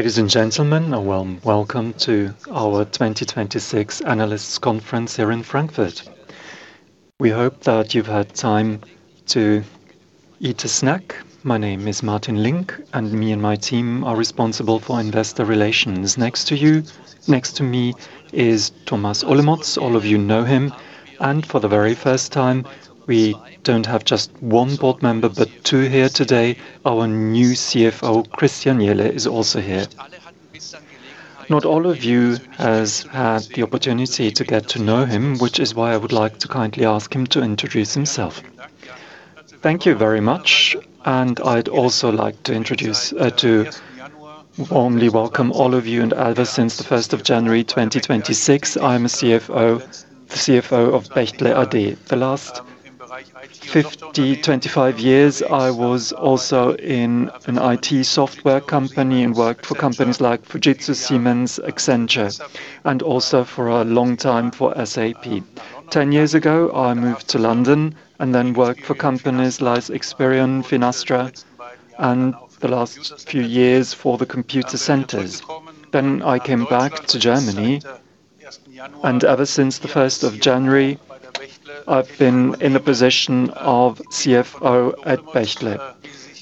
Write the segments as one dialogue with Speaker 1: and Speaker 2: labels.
Speaker 1: Ladies and gentlemen, a warm welcome to our 2026 Analysts Conference here in Frankfurt. We hope that you've had time to eat a snack. My name is Martin Link, and me and my team are responsible for investor relations. Next to me is Thomas Olemotz. All of you know him. For the very first time, we don't have just one board member, but two here today. Our new CFO, Christian Jehle, is also here. Not all of you has had the opportunity to get to know him, which is why I would like to kindly ask him to introduce himself.
Speaker 2: Thank you very much, and I'd also like to introduce, to warmly welcome all of you and ever since the 1st of January 2026, I'm a CFO, the CFO of Bechtle AG. The last 25 years, I was also in an IT software company and worked for companies like Fujitsu, Siemens, Accenture, and also for a long time for SAP. Ten years ago, I moved to London and then worked for companies like Experian, Finastra, and the last few years for Computacenter. I came back to Germany, and ever since the first of January, I've been in the position of CFO at Bechtle.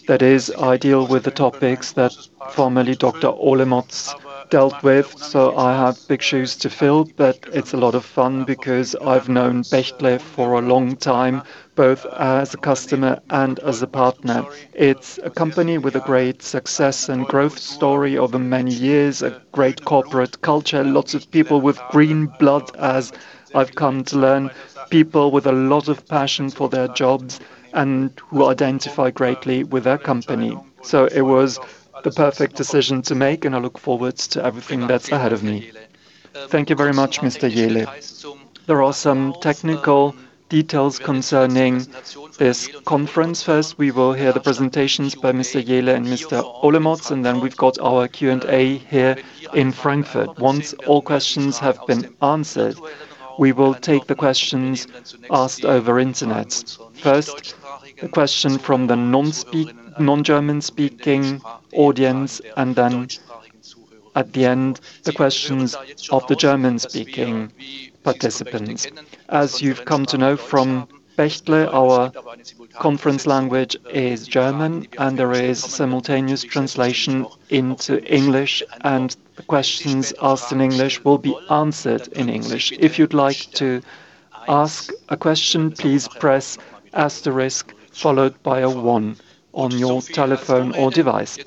Speaker 2: That is, I deal with the topics that formerly Dr. Olemotz dealt with, so I have big shoes to fill, but it's a lot of fun because I've known Bechtle for a long time, both as a customer and as a partner. It's a company with a great success and growth story over many years, a great corporate culture, lots of people with green blood as I've come to learn, people with a lot of passion for their jobs and who identify greatly with their company. It was the perfect decision to make, and I look forward to everything that's ahead of me.
Speaker 1: Thank you very much, Mr. Jehle. There are some technical details concerning this conference. First, we will hear the presentations by Mr. Jehle and Mr. Olemotz, and then we've got our Q&A here in Frankfurt. Once all questions have been answered, we will take the questions asked over Internet. First, the question from the non-German-speaking audience, and then at the end, the questions of the German-speaking participants. As you've come to know from Bechtle, our conference language is German, and there is simultaneous translation into English, and the questions asked in English will be answered in English. If you'd like to ask a question, please press asterisk followed by a one on your telephone or device.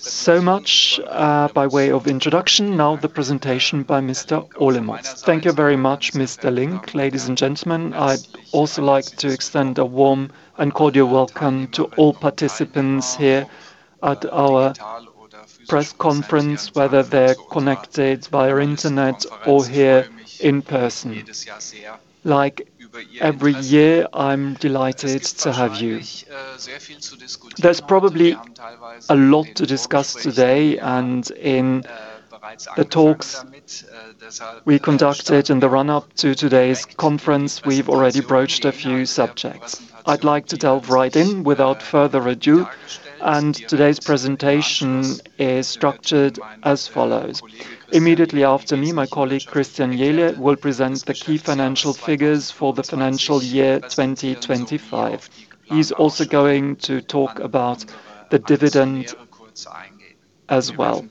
Speaker 1: So much by way of introduction. Now the presentation by Mr. Olemotz.
Speaker 3: Thank you very much, Mr. Link. Ladies and gentlemen, I'd also like to extend a warm and cordial welcome to all participants here at our press conference, whether they're connected via Internet or here in person. Like every year, I'm delighted to have you. There's probably a lot to discuss today, and in the talks we conducted in the run-up to today's conference, we've already broached a few subjects. I'd like to delve right in without further ado, and today's presentation is structured as follows. Immediately after me, my colleague, Christian Jehle, will present the key financial figures for the financial year 2025. He's also going to talk about the dividend as well.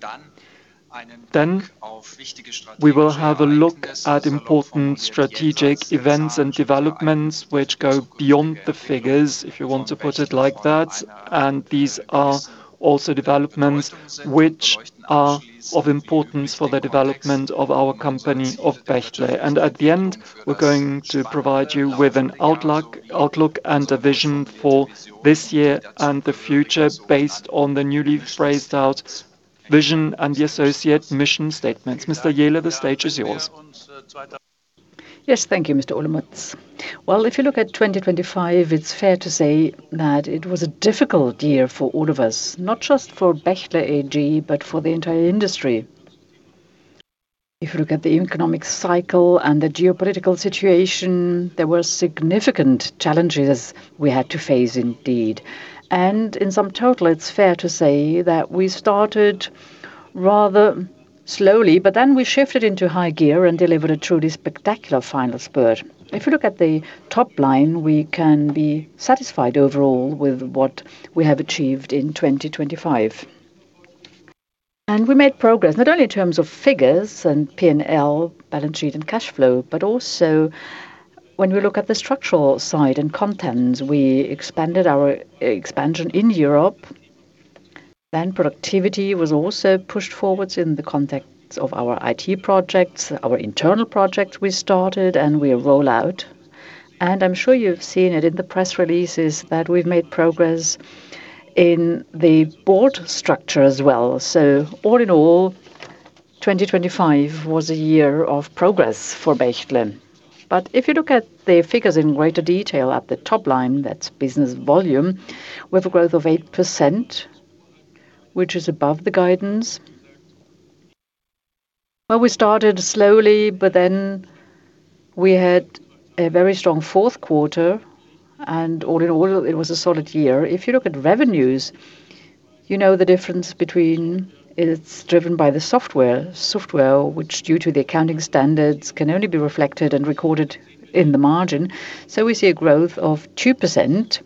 Speaker 3: We will have a look at important strategic events and developments which go beyond the figures, if you want to put it like that. These are also developments which are of importance for the development of our company of Bechtle. At the end, we're going to provide you with an outlook and a vision for this year and the future based on the newly phrased out vision and the associate mission statements. Mr. Jehle, the stage is yours.
Speaker 2: Yes. Thank you, Mr. Olemotz. Well, if you look at 2025, it's fair to say that it was a difficult year for all of us, not just for Bechtle AG, but for the entire industry. If you look at the economic cycle and the geopolitical situation, there were significant challenges we had to face indeed. In sum total, it's fair to say that we started rather slowly, but then we shifted into high gear and delivered a truly spectacular final spurt. If you look at the top line, we can be satisfied overall with what we have achieved in 2025. We made progress not only in terms of figures and P&L, balance sheet, and cash flow, but also when we look at the structural side and contents, we expanded our expansion in Europe. Productivity was also pushed forward in the context of our IT projects, our internal projects we started and we roll out. I'm sure you've seen it in the press releases that we've made progress in the board structure as well. All in all, 2025 was a year of progress for Bechtle. If you look at the figures in greater detail at the top line, that's business volume, with a growth of 8%, which is above the guidance. Well, we started slowly, but then we had a very strong fourth quarter and all in all, it was a solid year. If you look at revenues, you know the difference between it's driven by the software. Software which due to the accounting standards, can only be reflected and recorded in the margin. We see a growth of 2%.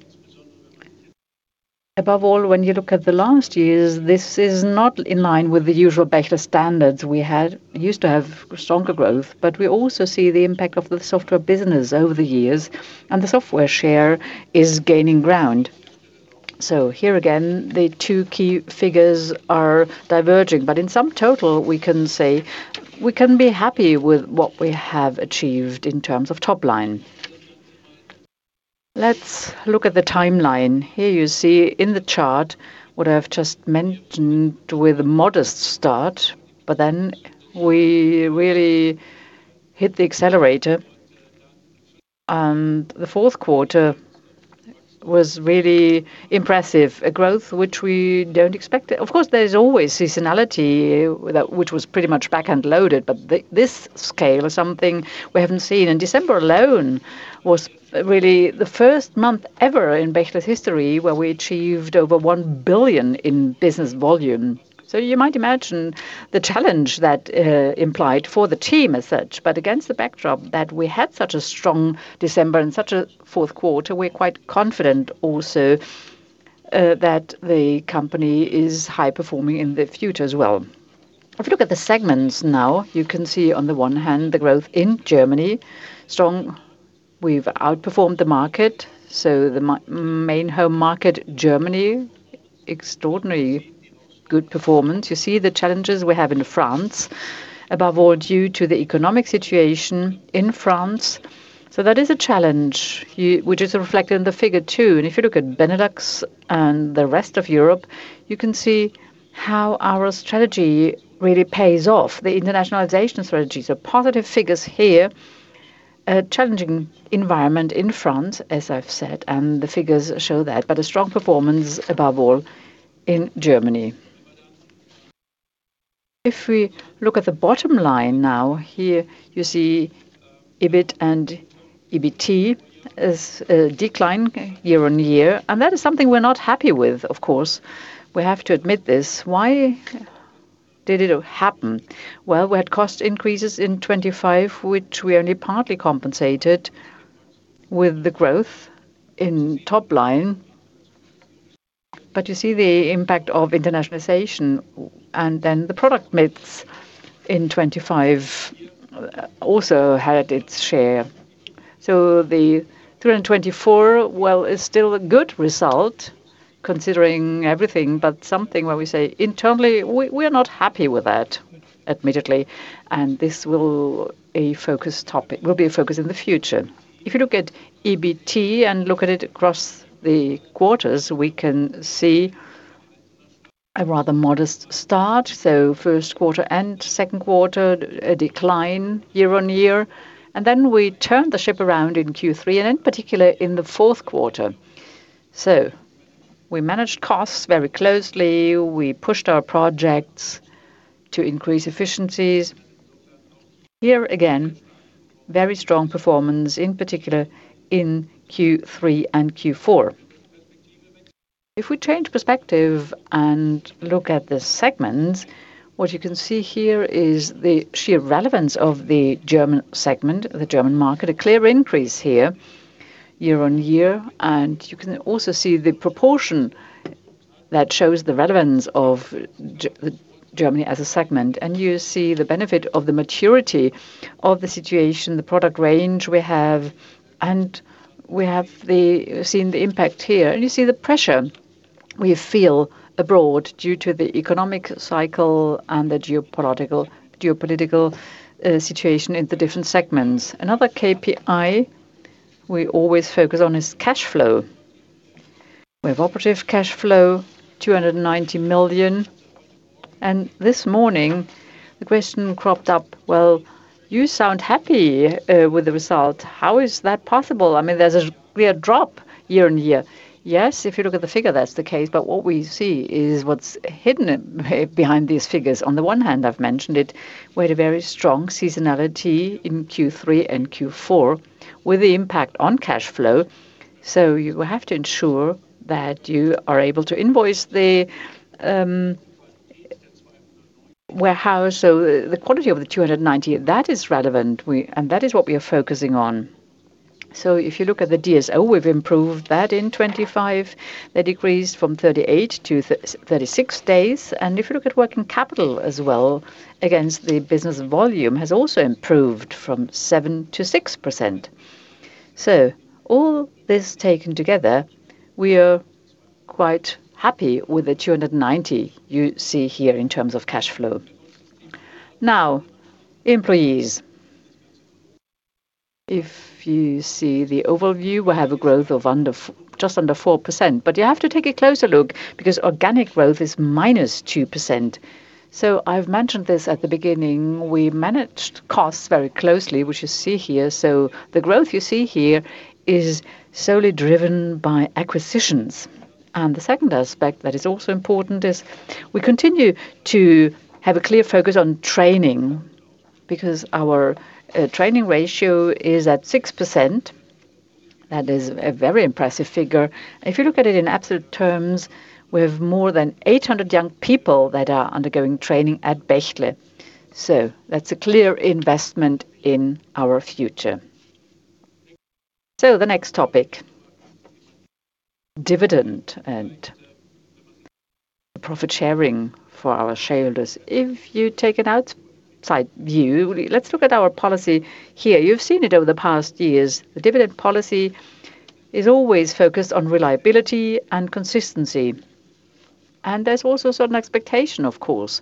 Speaker 2: Above all, when you look at the last years, this is not in line with the usual Bechtle standards. We used to have stronger growth, but we also see the impact of the software business over the years, and the software share is gaining ground. Here again, the two key figures are diverging. In sum total, we can say we can be happy with what we have achieved in terms of top line. Let's look at the timeline. Here you see in the chart what I have just mentioned with a modest start, but then we really hit the accelerator and the fourth quarter was really impressive, a growth which we don't expect. Of course, there's always seasonality, which was pretty much back-end loaded, but this scale is something we haven't seen. December alone was really the first month ever in Bechtle's history where we achieved over 1 billion in business volume. You might imagine the challenge that implied for the team as such. Against the backdrop that we had such a strong December and such a fourth quarter, we're quite confident also that the company is high-performing in the future as well. If you look at the segments now, you can see on the one hand the growth in Germany, strong. We've outperformed the market. The main home market, Germany, extraordinary good performance. You see the challenges we have in France, above all due to the economic situation in France. That is a challenge which is reflected in the figure two. If you look at Benelux and the rest of Europe, you can see how our strategy really pays off, the internationalization strategies. Positive figures here, a challenging environment in France, as I've said, and the figures show that, but a strong performance above all in Germany. If we look at the bottom line now, here you see EBIT and EBT is decline year-on-year, and that is something we're not happy with, of course. We have to admit this. Why did it happen? Well, we had cost increases in 2025, which we only partly compensated with the growth in top line. You see the impact of internationalization and then the product mix in 2025 also had its share. The 324, well, is still a good result considering everything, but something where we say internally we're not happy with that, admittedly, and this will be a focus topic in the future. If you look at EBT and look at it across the quarters, we can see a rather modest start. First quarter and second quarter, a decline year-on-year. Then we turned the ship around in Q3 and in particular in the fourth quarter. We managed costs very closely. We pushed our projects to increase efficiencies. Here again, very strong performance in particular in Q3 and Q4. If we change perspective and look at the segments, what you can see here is the sheer relevance of the German segment, the German market, a clear increase here year-on-year, and you can also see the proportion that shows the relevance of Germany as a segment. You see the benefit of the maturity of the situation, the product range we have, and we have seen the impact here. You see the pressure we feel abroad due to the economic cycle and the geopolitical situation in the different segments. Another KPI we always focus on is cash flow. We have operative cash flow 290 million. This morning, the question cropped up, "Well, you sound happy with the result. How is that possible? I mean, there's a clear drop year-on-year. Yes, if you look at the figure, that's the case. What we see is what's hidden behind these figures. On the one hand, I've mentioned it, we had a very strong seasonality in Q3 and Q4 with the impact on cash flow. You have to ensure that you are able to invoice the warehouse. The quality of the 290, that is relevant. That is what we are focusing on. If you look at the DSO, we've improved that in 2025. That decreased from 38 to 36 days. If you look at working capital as well against the business volume has also improved from 7% to 6%. All this taken together, we are quite happy with the 290 you see here in terms of cash flow. Now, employees. If you see the overview, we have a growth of just under 4%. You have to take a closer look because organic growth is -2%. I've mentioned this at the beginning. We managed costs very closely, which you see here. The growth you see here is solely driven by acquisitions. The second aspect that is also important is we continue to have a clear focus on training because our training ratio is at 6%. That is a very impressive figure. If you look at it in absolute terms, we have more than 800 young people that are undergoing training at Bechtle. That's a clear investment in our future. The next topic, dividend and profit sharing for our shareholders. If you take an outside view, let's look at our policy here. You've seen it over the past years. The dividend policy is always focused on reliability and consistency. There's also a certain expectation, of course.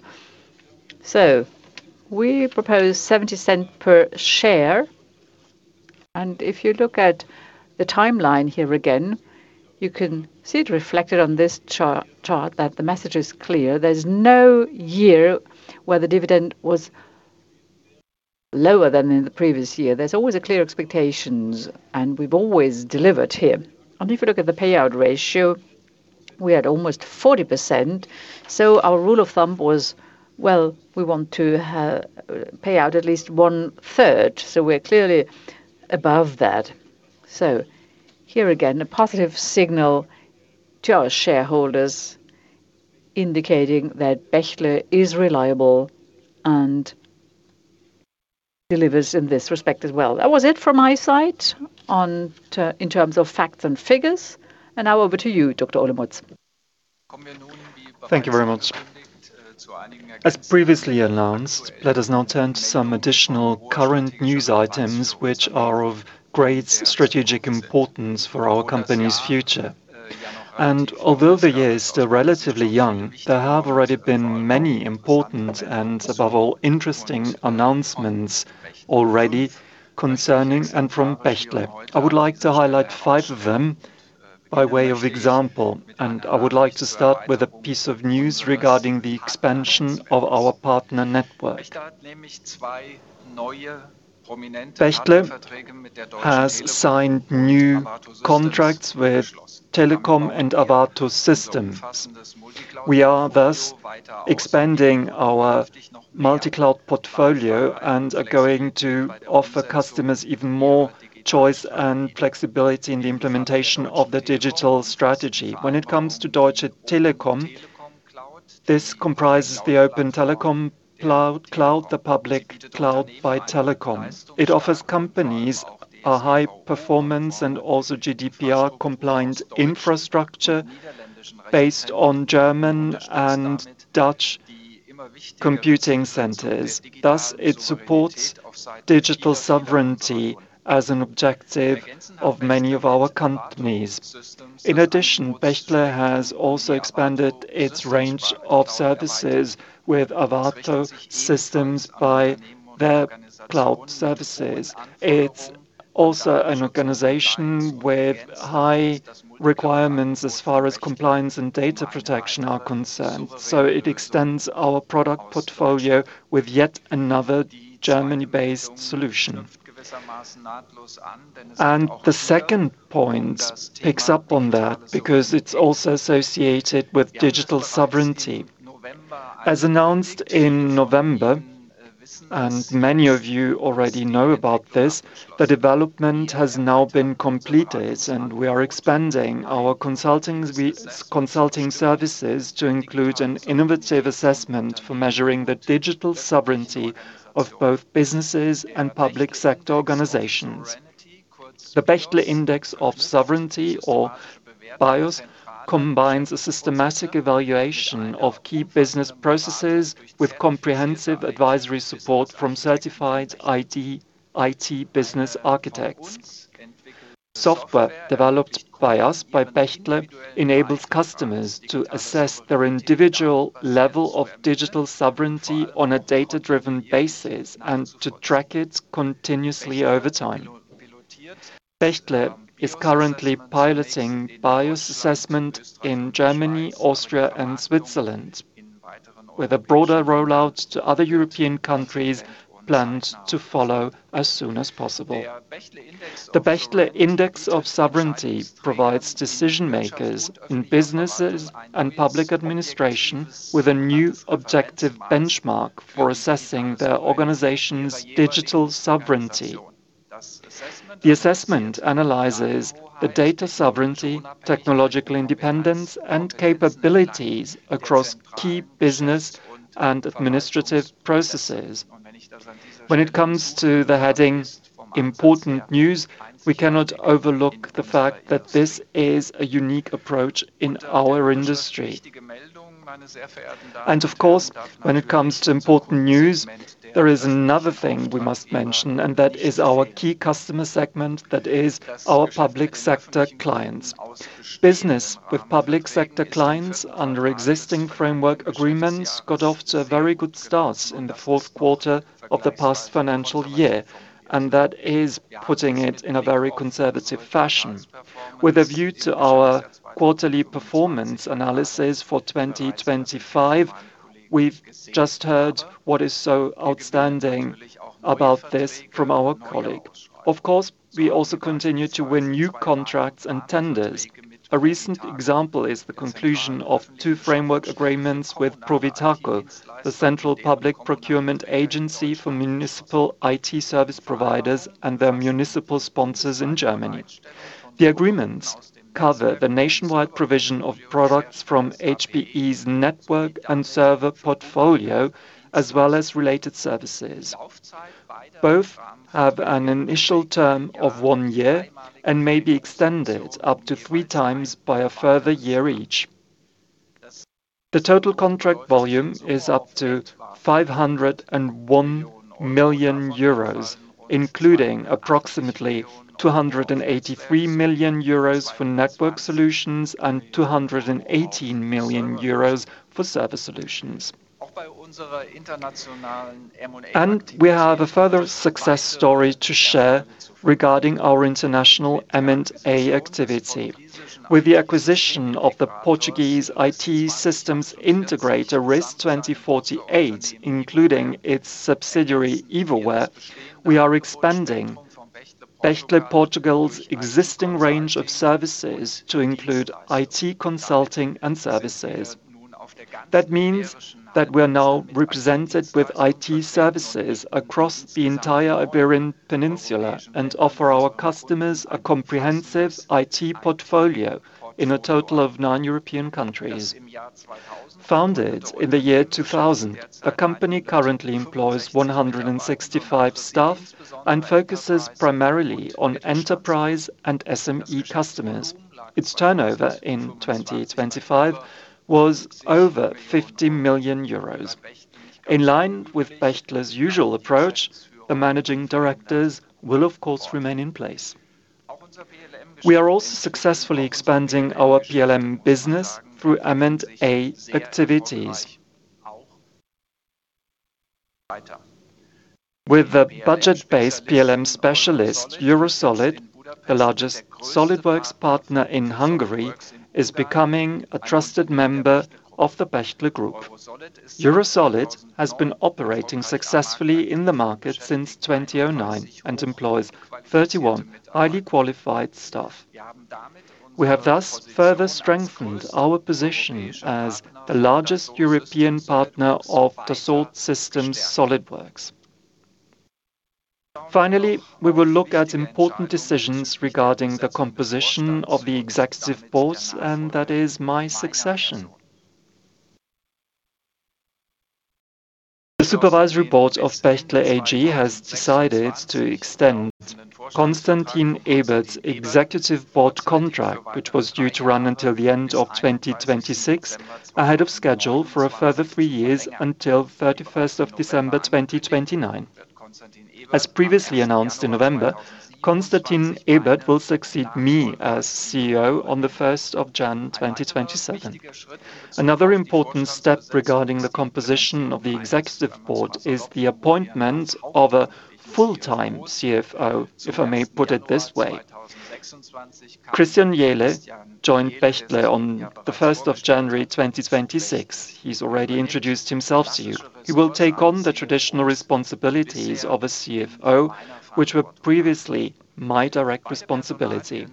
Speaker 2: We propose 0.70 per share. If you look at the timeline here again, you can see it reflected on this chart that the message is clear. There's no year where the dividend was lower than in the previous year. There's always a clear expectation, and we've always delivered here. If you look at the payout ratio, we had almost 40%. Our rule of thumb was, well, we want to have, pay out at least one third, so we're clearly above that. Here again, a positive signal to our shareholders indicating that Bechtle is reliable and delivers in this respect as well. That was it from my side in terms of facts and figures. Now over to you, Dr. Olemotz.
Speaker 3: Thank you very much. As previously announced, let us now turn to some additional current news items which are of great strategic importance for our company's future. Although the year is still relatively young, there have already been many important and above all, interesting announcements already concerning and from Bechtle. I would like to highlight five of them by way of example, and I would like to start with a piece of news regarding the expansion of our partner network. Bechtle has signed new contracts with Telekom and Arvato Systems. We are thus expanding our multi-cloud portfolio and are going to offer customers even more choice and flexibility in the implementation of their digital strategy. When it comes to Deutsche Telekom, this comprises the Open Telekom Cloud, the public cloud by Telekom. It offers companies a high performance and also GDPR compliant infrastructure based on German and Dutch computing centers. Thus, it supports digital sovereignty as an objective of many of our companies. In addition, Bechtle has also expanded its range of services with Arvato Systems by their cloud services. It's also an organization with high requirements as far as compliance and data protection are concerned. It extends our product portfolio with yet another Germany-based solution. The second point picks up on that because it's also associated with digital sovereignty. As announced in November, and many of you already know about this, the development has now been completed, and we are expanding our consulting services to include an innovative assessment for measuring the digital sovereignty of both businesses and public sector organizations. The Bechtle Index of Sovereignty or BIoS combines a systematic evaluation of key business processes with comprehensive advisory support from certified IT business architects. Software developed by us, by Bechtle, enables customers to assess their individual level of digital sovereignty on a data-driven basis and to track it continuously over time. Bechtle is currently piloting BIoS assessment in Germany, Austria and Switzerland, with a broader rollout to other European countries planned to follow as soon as possible. The Bechtle Index of Sovereignty provides decision makers in businesses and public administration with a new objective benchmark for assessing their organization's digital sovereignty. The assessment analyzes the data sovereignty, technological independence, and capabilities across key business and administrative processes. When it comes to the heading Important News, we cannot overlook the fact that this is a unique approach in our industry. Of course, when it comes to important news, there is another thing we must mention, and that is our key customer segment, that is our public sector clients. Business with public sector clients under existing framework agreements got off to a very good start in the fourth quarter of the past financial year, and that is putting it in a very conservative fashion. With a view to our quarterly performance analysis for 2025. We've just heard what is so outstanding about this from our colleague. Of course, we also continue to win new contracts and tenders. A recent example is the conclusion of two framework agreements with ProVitako, the central public procurement agency for municipal IT service providers and their municipal sponsors in Germany. The agreements cover the nationwide provision of products from HPE's network and server portfolio, as well as related services. Both have an initial term of one year and may be extended up to 3x by a further year each. The total contract volume is up to 501 million euros, including approximately 283 million euros for network solutions and 218 million euros for server solutions. We have a further success story to share regarding our international M&A activity. With the acquisition of the Portuguese IT systems integrator RIS 2048, including its subsidiary, Evoware, we are expanding Bechtle Portugal's existing range of services to include IT consulting and services. That means that we are now represented with IT services across the entire Iberian Peninsula and offer our customers a comprehensive IT portfolio in a total of nine European countries. Founded in 2000, the company currently employs 165 staff and focuses primarily on enterprise and SME customers. Its turnover in 2025 was over 50 million euros. In line with Bechtle's usual approach, the managing directors will of course remain in place. We are also successfully expanding our PLM business through M&A activities. With the budget-based PLM specialist EuroSolid, the largest SolidWorks partner in Hungary is becoming a trusted member of the Bechtle Group. EuroSolid has been operating successfully in the market since 2009 and employs 31 highly qualified staff. We have thus further strengthened our position as the largest European partner of Dassault Systèmes SolidWorks. Finally, we will look at important decisions regarding the composition of the executive boards, and that is my succession. The supervisory board of Bechtle AG has decided to extend Konstantin Ebert's executive board contract, which was due to run until the end of 2026, ahead of schedule for a further three years until 31st of December 2029. As previously announced in November, Konstantin Ebert will succeed me as CEO on the 1st of January, 2027. Another important step regarding the composition of the executive board is the appointment of a full-time CFO, if I may put it this way. Christian Jehle joined Bechtle on the 1st of January, 2026. He's already introduced himself to you. He will take on the traditional responsibilities of a CFO, which were previously my direct responsibility.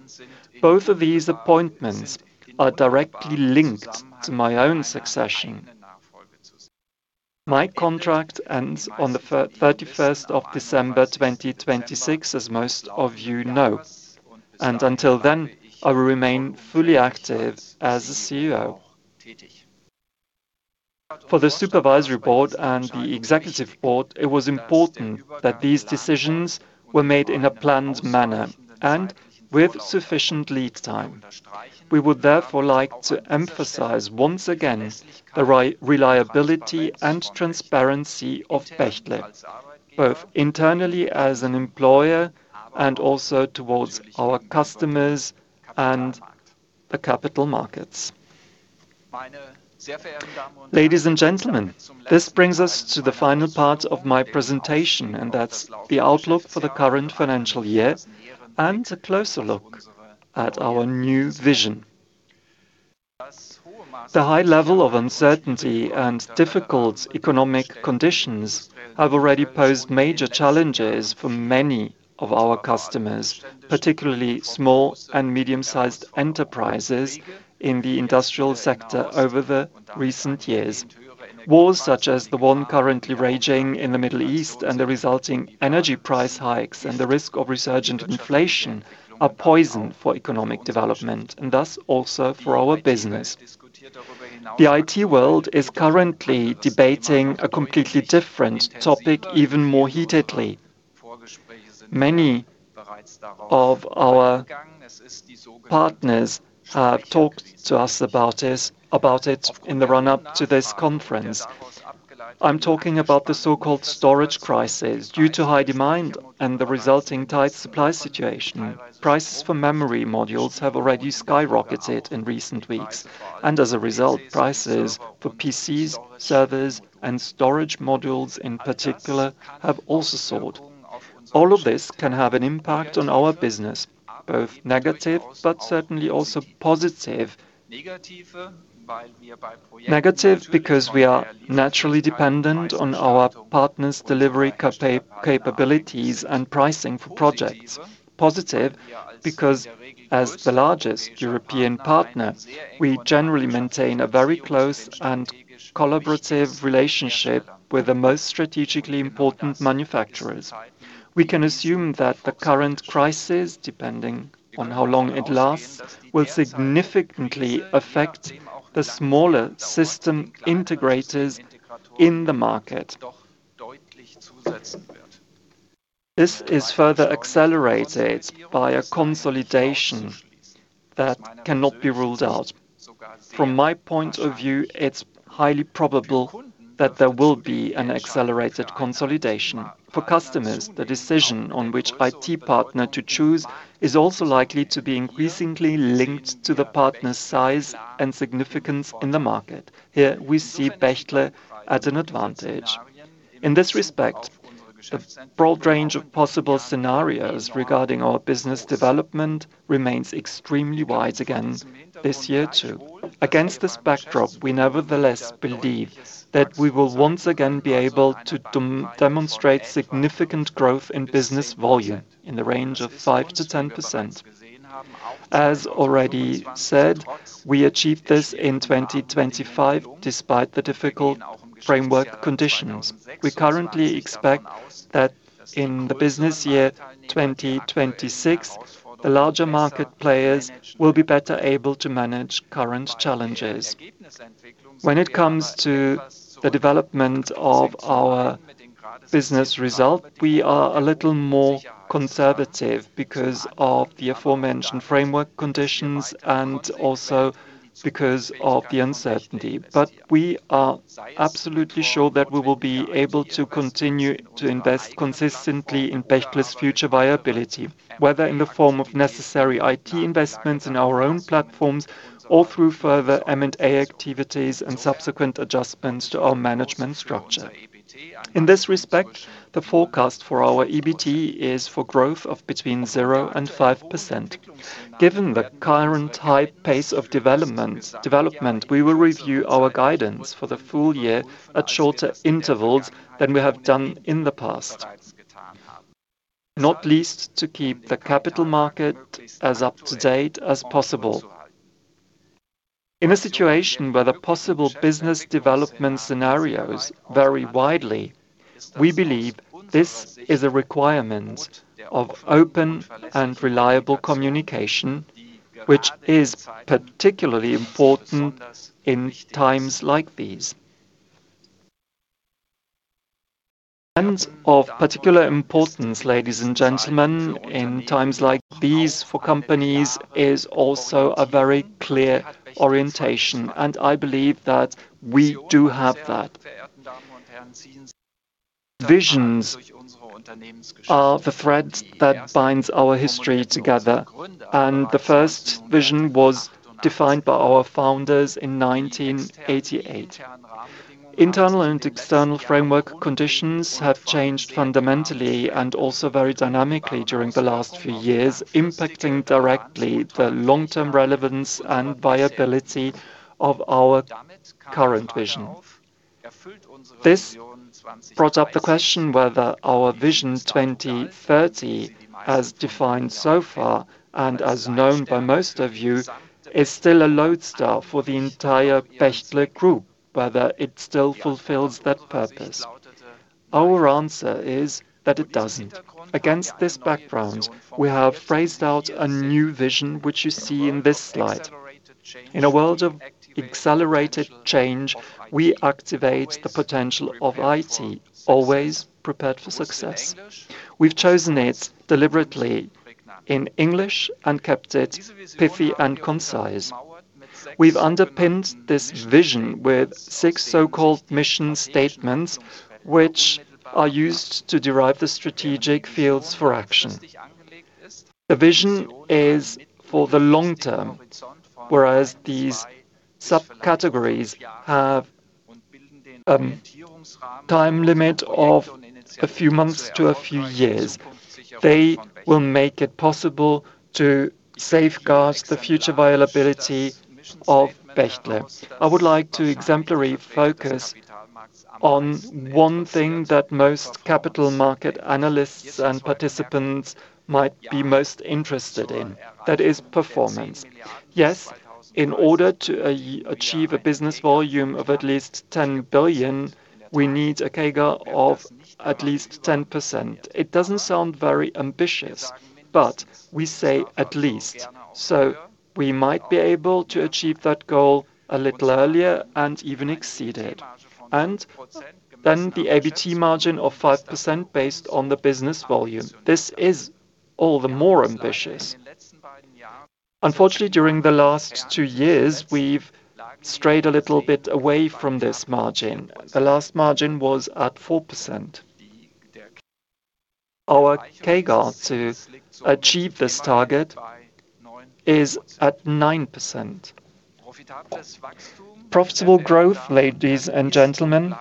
Speaker 3: Both of these appointments are directly linked to my own succession. My contract ends on the 31st of December, 2026, as most of you know, and until then, I will remain fully active as the CEO. For the supervisory board and the executive board, it was important that these decisions were made in a planned manner and with sufficient lead time. We would therefore like to emphasize once again the reliability and transparency of Bechtle, both internally as an employer and also towards our customers and the capital markets. Ladies and gentlemen, this brings us to the final part of my presentation, and that's the outlook for the current financial year and a closer look at our new vision. The high level of uncertainty and difficult economic conditions have already posed major challenges for many of our customers, particularly small and medium-sized enterprises in the industrial sector over the recent years. Wars such as the one currently raging in the Middle East and the resulting energy price hikes and the risk of resurgent inflation are poison for economic development and thus also for our business. The IT world is currently debating a completely different topic even more heatedly. Many of our partners have talked to us about it in the run-up to this conference. I'm talking about the so-called storage crisis. Due to high demand and the resulting tight supply situation, prices for memory modules have already skyrocketed in recent weeks, and as a result, prices for PCs, servers, and storage modules in particular have also soared. All of this can have an impact on our business, both negative, but certainly also positive. Negative because we are naturally dependent on our partners' delivery capabilities and pricing for projects. Positive because as the largest European partner, we generally maintain a very close and collaborative relationship with the most strategically important manufacturers. We can assume that the current crisis, depending on how long it lasts, will significantly affect the smaller system integrators in the market. This is further accelerated by a consolidation that cannot be ruled out. From my point of view, it's highly probable that there will be an accelerated consolidation. For customers, the decision on which IT partner to choose is also likely to be increasingly linked to the partner's size and significance in the market. Here we see Bechtle at an advantage. In this respect, the broad range of possible scenarios regarding our business development remains extremely wide again this year too. Against this backdrop, we nevertheless believe that we will once again be able to demonstrate significant growth in business volume in the range of 5%-10%. As already said, we achieved this in 2025 despite the difficult framework conditions. We currently expect that in the business year 2026, the larger market players will be better able to manage current challenges. When it comes to the development of our business result, we are a little more conservative because of the aforementioned framework conditions and also because of the uncertainty. We are absolutely sure that we will be able to continue to invest consistently in Bechtle's future viability, whether in the form of necessary IT investments in our own platforms or through further M&A activities and subsequent adjustments to our management structure. In this respect, the forecast for our EBT is for growth of between 0% and 5%. Given the current high pace of development, we will review our guidance for the full year at shorter intervals than we have done in the past, not least to keep the capital market as up-to-date as possible. In a situation where the possible business development scenarios vary widely, we believe this is a requirement of open and reliable communication, which is particularly important in times like these. Of particular importance, ladies and gentlemen, in times like these for companies is also a very clear orientation, and I believe that we do have that. Visions are the thread that binds our history together, and the first vision was defined by our founders in 1988. Internal and external framework conditions have changed fundamentally and also very dynamically during the last few years, impacting directly the long-term relevance and viability of our current vision. This brought up the question whether our vision 2030, as defined so far and as known by most of you, is still a lodestar for the entire Bechtle Group, whether it still fulfills that purpose. Our answer is that it doesn't. Against this background, we have fleshed out a new vision, which you see in this slide. In a world of accelerated change, we activate the potential of IT, always prepared for success. We've chosen it deliberately in English and kept it pithy and concise. We've underpinned this vision with six so-called mission statements, which are used to derive the strategic fields for action. The vision is for the long term, whereas these subcategories have a time limit of a few months to a few years. They will make it possible to safeguard the future viability of Bechtle. I would like to exemplarily focus on one thing that most capital market analysts and participants might be most interested in. That is performance. Yes, in order to achieve a business volume of at least 10 billion, we need a CAGR of at least 10%. It doesn't sound very ambitious, but we say at least. We might be able to achieve that goal a little earlier and even exceed it. The EBT margin of 5% based on the business volume. This is all the more ambitious. Unfortunately, during the last two years, we've strayed a little bit away from this margin. The last margin was at 4%. Our CAGR to achieve this target is at 9%. Profitable growth, ladies and gentlemen,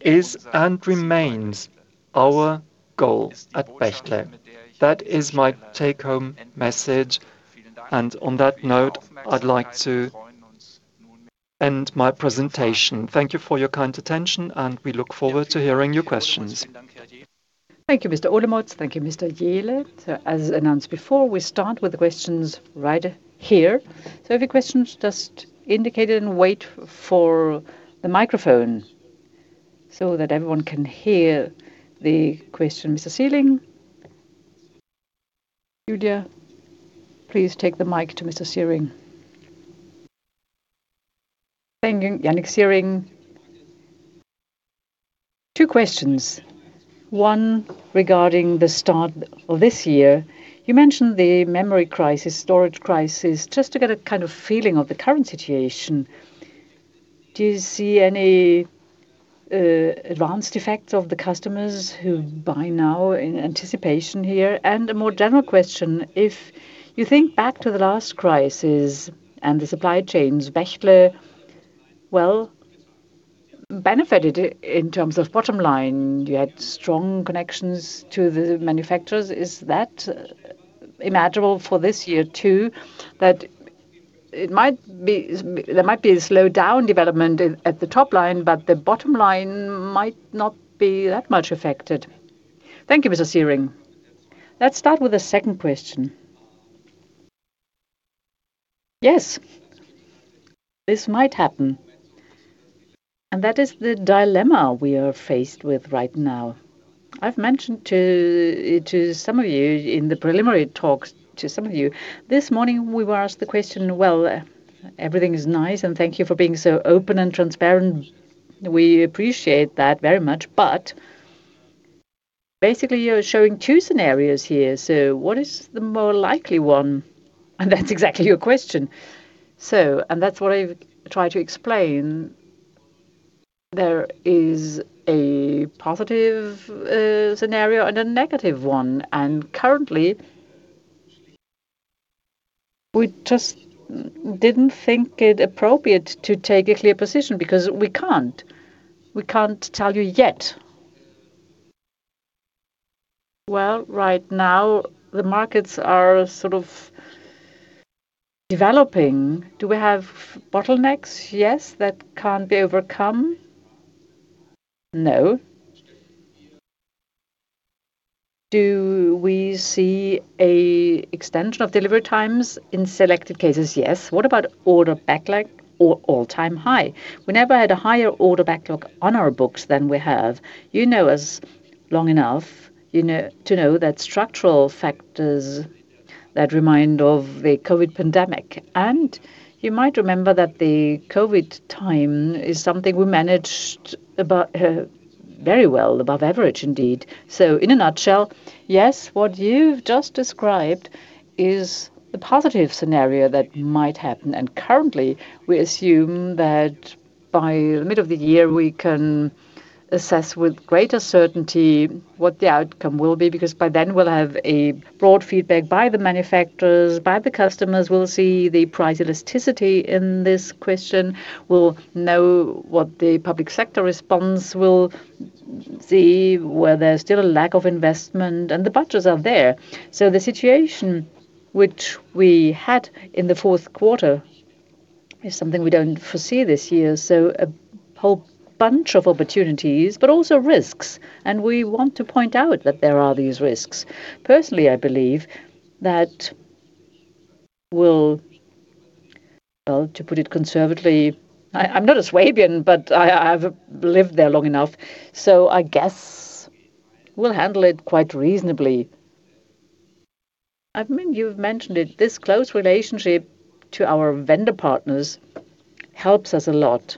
Speaker 3: is and remains our goal at Bechtle. That is my take-home message. On that note, I'd like to end my presentation. Thank you for your kind attention, and we look forward to hearing your questions.
Speaker 4: Thank you, Mr. Olemotz. Thank you, Mr. Jehle. As announced before, we start with the questions right here. If you have questions, just indicate it and wait for the microphone so that everyone can hear the question. Mr. Ziering. Julia, please take the mic to Mr. Ziering.
Speaker 5: Thank you, Yannick Ziering. Two questions. One regarding the start of this year. You mentioned the memory crisis, storage crisis. Just to get a kind of feeling of the current situation, do you see any advanced effects of the customers who buy now in anticipation here? And a more general question, if you think back to the last crisis and the supply chains, Bechtle, well, benefited in terms of bottom line. You had strong connections to the manufacturers. Is that imaginable for this year, too?
Speaker 3: There might be a slowdown development at the top line, but the bottom line might not be that much affected. Thank you, Mr. Ziering. Let's start with the second question. Yes. This might happen. That is the dilemma we are faced with right now. I've mentioned to some of you in the preliminary talks. This morning, we were asked the question, well, everything is nice, and thank you for being so open and transparent. We appreciate that very much. Basically, you're showing two scenarios here. What is the more likely one? That's exactly your question. That's what I've tried to explain. There is a positive scenario and a negative one. Currently, we just didn't think it appropriate to take a clear position because we can't. We can't tell you yet.
Speaker 2: Well, right now, the markets are sort of developing. Do we have bottlenecks? Yes. That can't be overcome? No. Do we see a extension of delivery times? In selected cases, yes. What about order backlog or all-time high? We never had a higher order backlog on our books than we have. You know us long enough, you know, to know that structural factors that remind of the COVID pandemic. You might remember that the COVID time is something we managed about very well, above average indeed. In a nutshell, yes, what you've just described is the positive scenario that might happen. Currently, we assume that by the middle of the year, we can assess with greater certainty what the outcome will be, because by then we'll have a broad feedback by the manufacturers, by the customers. We'll see the price elasticity in this question. We'll know what the public sector response will be, where there's still a lack of investment, and the budgets are there. The situation which we had in the fourth quarter is something we don't foresee this year. A whole bunch of opportunities, but also risks. We want to point out that there are these risks. Personally, I believe, well, to put it conservatively, I'm not a Swabian, but I've lived there long enough, so I guess we'll handle it quite reasonably. I mean, you've mentioned it, this close relationship to our vendor partners helps us a lot,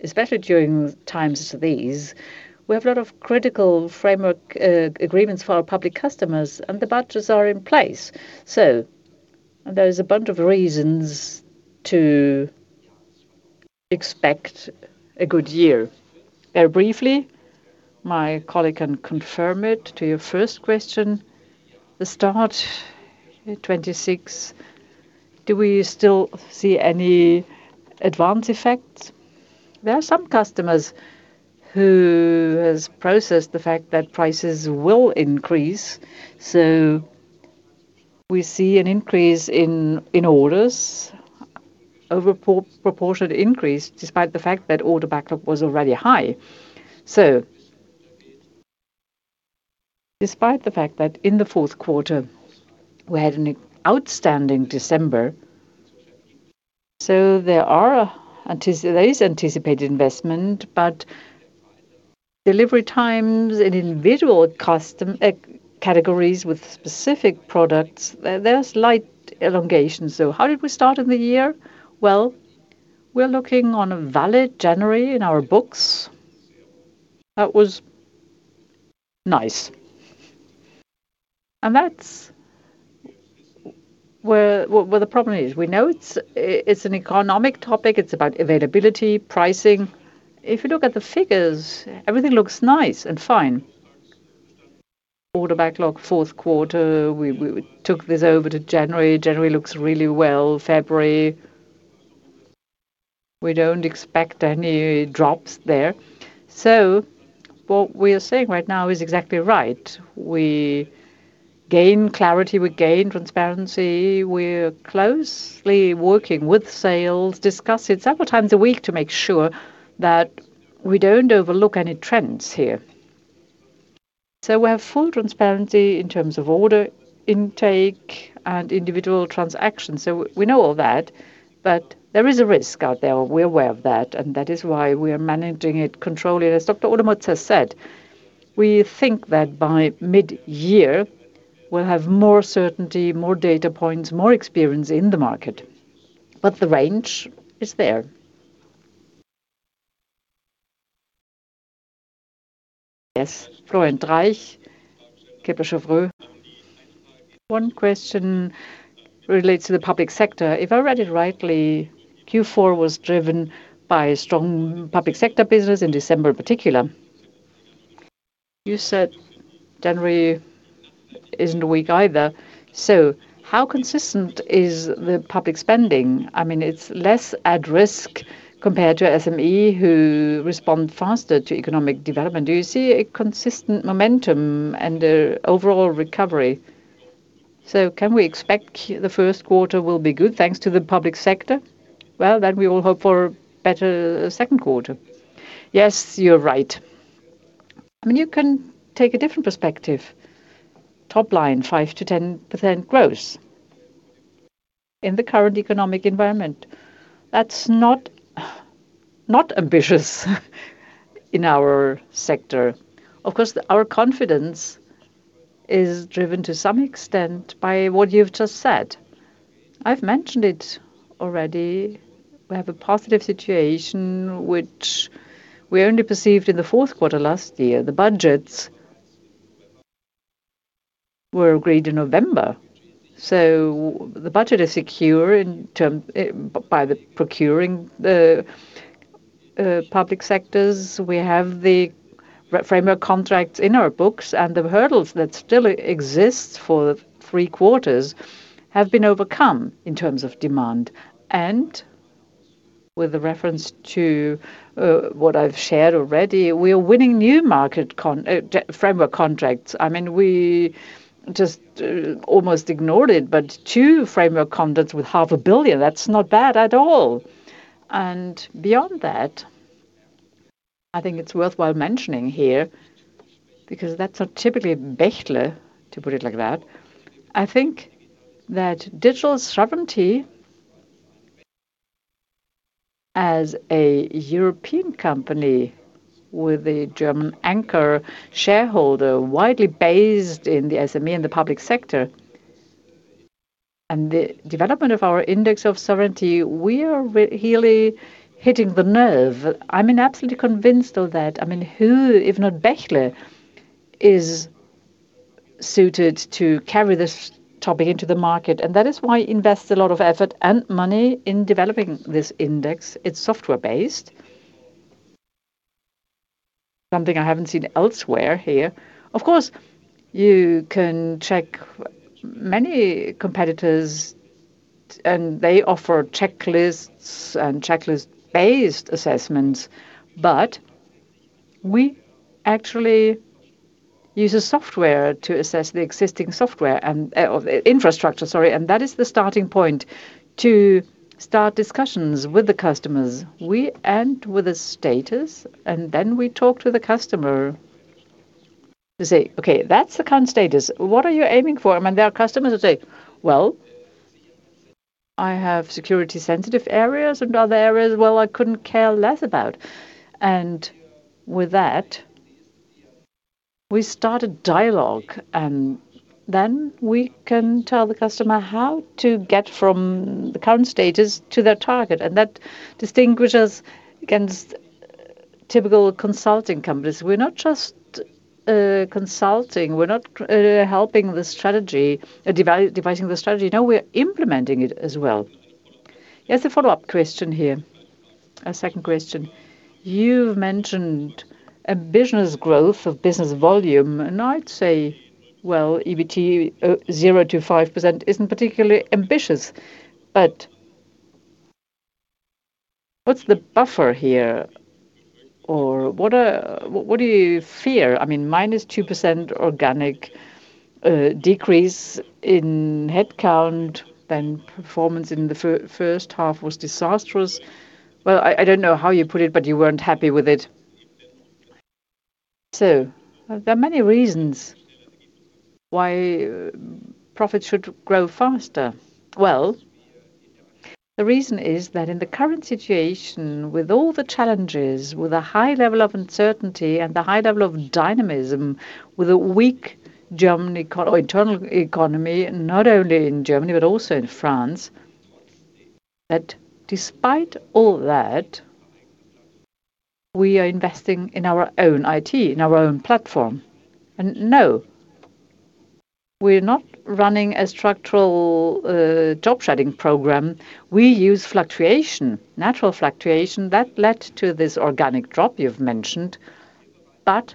Speaker 2: especially during times as these. We have a lot of critical framework agreements for our public customers, and the budgets are in place. There's a bunch of reasons to expect a good year. Briefly, my colleague can confirm it to your first question. The start, 26, do we still see any adverse effects? There are some customers who has processed the fact that prices will increase. We see an increase in orders, disproportionate increase, despite the fact that order backlog was already high. Despite the fact that in the fourth quarter, we had an outstanding December, there is anticipated investment, but delivery times in individual categories with specific products, there's slight elongation. How did we start in the year? Well, we're looking at a solid January in our books. That was nice. That's where the problem is. We know it's an economic topic. It's about availability, pricing. If you look at the figures, everything looks nice and fine. Order backlog fourth quarter, we took this over to January. January looks really well. February, we don't expect any drops there. What we are saying right now is exactly right. We gain clarity, we gain transparency. We're closely working with sales, discuss it several times a week to make sure that we don't overlook any trends here. We have full transparency in terms of order intake and individual transactions. We know all that, but there is a risk out there. We're aware of that, and that is why we are managing it, controlling it. As Dr. Olemotz has said, we think that by mid-year, we'll have more certainty, more data points, more experience in the market. The range is there. Yes. Florian Treisch, Kepler Cheuvreux. One question relates to the public sector. If I read it rightly, Q4 was driven by strong public sector business in December in particular. You said January isn't weak either.
Speaker 6: How consistent is the public spending? I mean, it's less at risk compared to SME, who respond faster to economic development. Do you see a consistent momentum and an overall recovery? Can we expect the first quarter will be good thanks to the public sector? Well, we all hope for better second quarter.
Speaker 2: Yes, you're right. I mean, you can take a different perspective. Top line, 5%-10% growth. In the current economic environment, that's not ambitious in our sector. Of course, our confidence is driven to some extent by what you've just said. I've mentioned it already. We have a positive situation which we only perceived in the fourth quarter last year. The budgets were agreed in November, so the budget is secure in terms by the procurement of the public sectors. We have our framework contracts in our books, and the hurdles that still exist for the three quarters have been overcome in terms of demand. With the reference to what I've shared already, we are winning new framework contracts. I mean, we just almost ignored it, but two framework contracts with half a billion, that's not bad at all. Beyond that, I think it's worthwhile mentioning here, because that's not typically Bechtle, to put it like that. I think that digital sovereignty as a European company with a German anchor shareholder widely based in the SME and the public sector, and the development of our index of sovereignty, we are really hitting the nerve. I'm absolutely convinced of that. I mean, who, if not Bechtle, is suited to carry this topic into the market? That is why we invest a lot of effort and money in developing this index. It's software-based. Something I haven't seen elsewhere here. Of course, you can check many competitors, and they offer checklists and checklist-based assessments, but we actually use a software to assess the existing software and/or infrastructure, sorry, and that is the starting point to start discussions with the customers. We end with a status, and then we talk to the customer to say, "Okay, that's the current status. What are you aiming for?" There are customers that say, "Well, I have security sensitive areas and other areas, well, I couldn't care less about." With that, we start a dialogue, and then we can tell the customer how to get from the current status to their target, and that distinguishes us from typical consulting companies. We're not just consulting. We're not helping the strategy, devising the strategy. No, we're implementing it as well.
Speaker 6: There's a follow-up question here, a second question. You've mentioned a business growth of business volume, and I'd say, well, EBT 0%-5% isn't particularly ambitious. But what's the buffer here? Or what do you fear? I mean, -2% organic decrease in headcount, then performance in the first half was disastrous. Well, I don't know how you put it, but you weren't happy with it.
Speaker 2: There are many reasons why profit should grow faster. Well, the reason is that in the current situation, with all the challenges, with a high level of uncertainty and the high level of dynamism, with a weak German economy or internal economy, not only in Germany, but also in France, that despite all that, we are investing in our own IT, in our own platform. No, we're not running a structural job-shedding program. We use fluctuation, natural fluctuation that led to this organic drop you've mentioned, but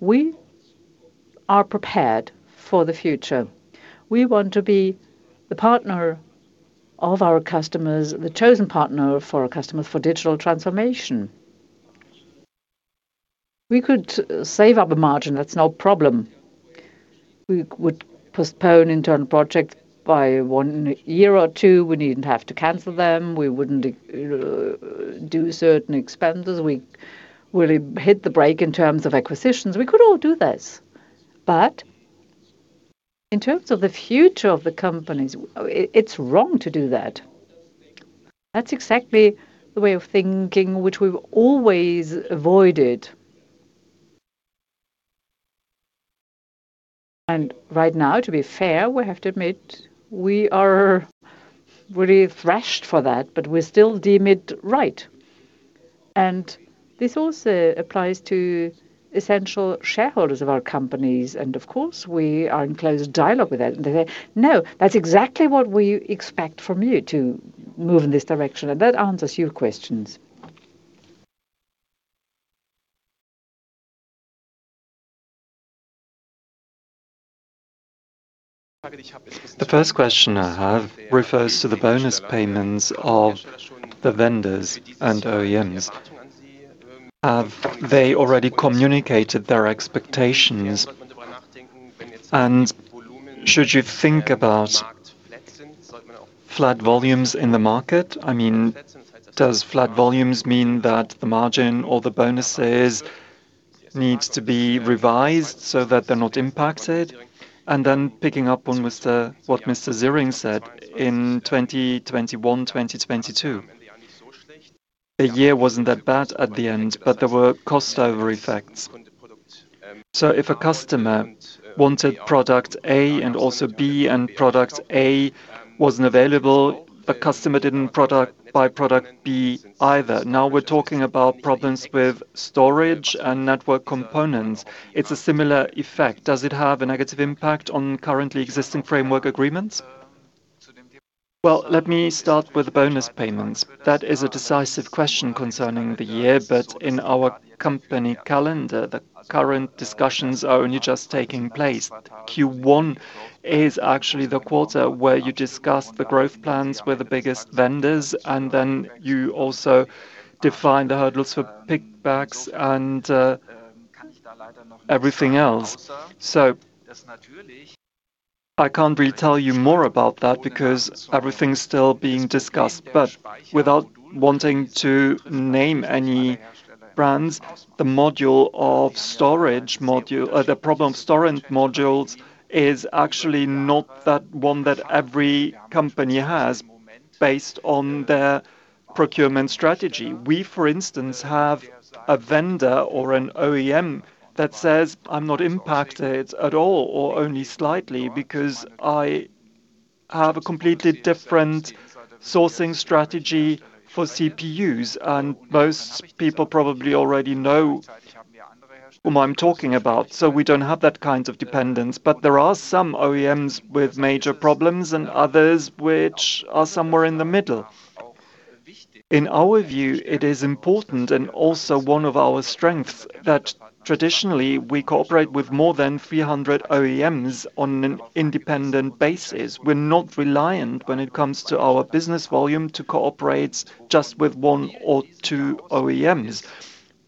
Speaker 2: we are prepared for the future. We want to be the partner of our customers, the chosen partner for our customers for digital transformation. We could save up a margin, that's no problem. We would postpone internal projects by one year or two. We needn't have to cancel them. We wouldn't do certain expenditures. We really hit the brake in terms of acquisitions. We could all do this, but in terms of the future of the companies, it's wrong to do that. That's exactly the way of thinking which we've always avoided. Right now, to be fair, we have to admit we are really trashed for that, but we still deem it right. This also applies to institutional shareholders of our companies, and of course, we are in close dialogue with that. They say, "No, that's exactly what we expect from you to move in this direction." That answers your questions.
Speaker 7: The first question I have refers to the bonus payments of the vendors and OEMs. Have they already communicated their expectations? Should you think about flat volumes in the market? I mean, does flat volumes mean that the margin or the bonuses needs to be revised so that they're not impacted? Then picking up on what Mr. Ziering said, in 2021, 2022, the year wasn't that bad at the end, but there were crossover effects. If a customer wanted product A and also B, and product A wasn't available, the customer didn't buy product B either. Now we're talking about problems with storage and network components. It's a similar effect. Does it have a negative impact on currently existing framework agreements?
Speaker 5: Well, let me start with bonus payments. That is a decisive question concerning the year. In our company calendar, the current discussions are only just taking place. Q1 is actually the quarter where you discuss the growth plans with the biggest vendors, and then you also define the hurdles for pickbacks and everything else. I can't really tell you more about that because everything's still being discussed. Without wanting to name any brands, the problem of storage modules is actually not that one that every company has based on their procurement strategy. We, for instance, have a vendor or an OEM that says, "I'm not impacted at all or only slightly because I have a completely different sourcing strategy for CPUs." Most people probably already know whom I'm talking about, so we don't have that kind of dependence. There are some OEMs with major problems and others which are somewhere in the middle. In our view, it is important and also one of our strengths that traditionally we cooperate with more than 300 OEMs on an independent basis. We're not reliant when it comes to our business volume to cooperate just with one or two OEMs.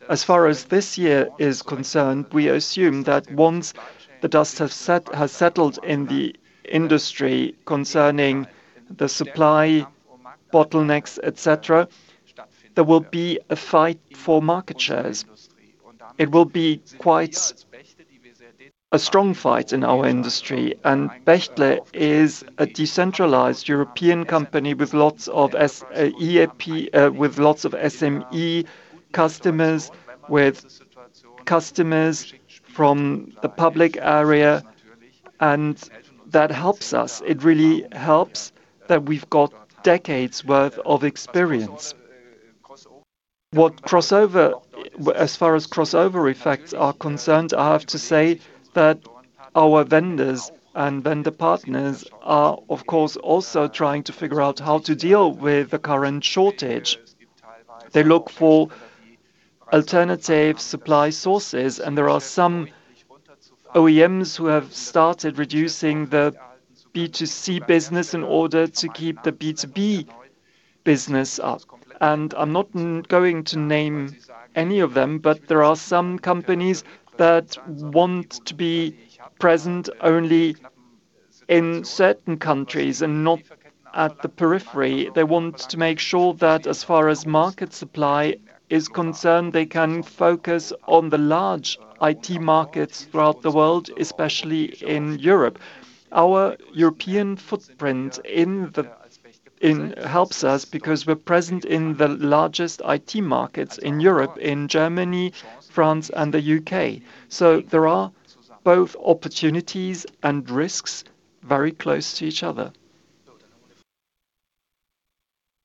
Speaker 5: As far as this year is concerned, we assume that once the dust has settled in the industry concerning the supply bottlenecks, et cetera, there will be a fight for market shares. It will be quite a strong fight in our industry. Bechtle is a decentralized European company with lots of SME customers, with customers from the public sector, and that helps us. It really helps that we've got decades worth of experience. As far as crossover effects are concerned, I have to say that our vendors and vendor partners are, of course, also trying to figure out how to deal with the current shortage. They look for alternative supply sources, and there are some OEMs who have started reducing the B2C business in order to keep the B2B business up. I'm not going to name any of them, but there are some companies that want to be present only in certain countries and not at the periphery. They want to make sure that as far as market supply is concerned, they can focus on the large IT markets throughout the world, especially in Europe. Our European footprint helps us because we're present in the largest IT markets in Europe, in Germany, France, and the U.K. There are both opportunities and risks very close to each other.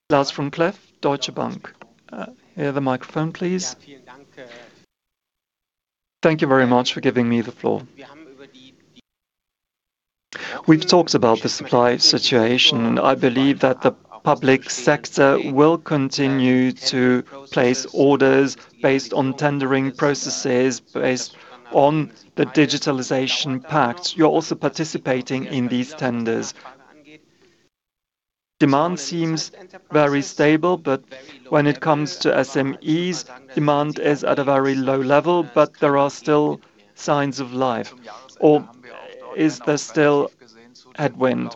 Speaker 8: Lars Vom Cleff, Deutsche Bank. Hear the microphone, please. Thank you very much for giving me the floor. We've talked about the supply situation. I believe that the public sector will continue to place orders based on tendering processes, based on the digitalization pact. You're also participating in these tenders. Demand seems very stable, but when it comes to SMEs, demand is at a very low level, but there are still signs of life. Or is there still headwind?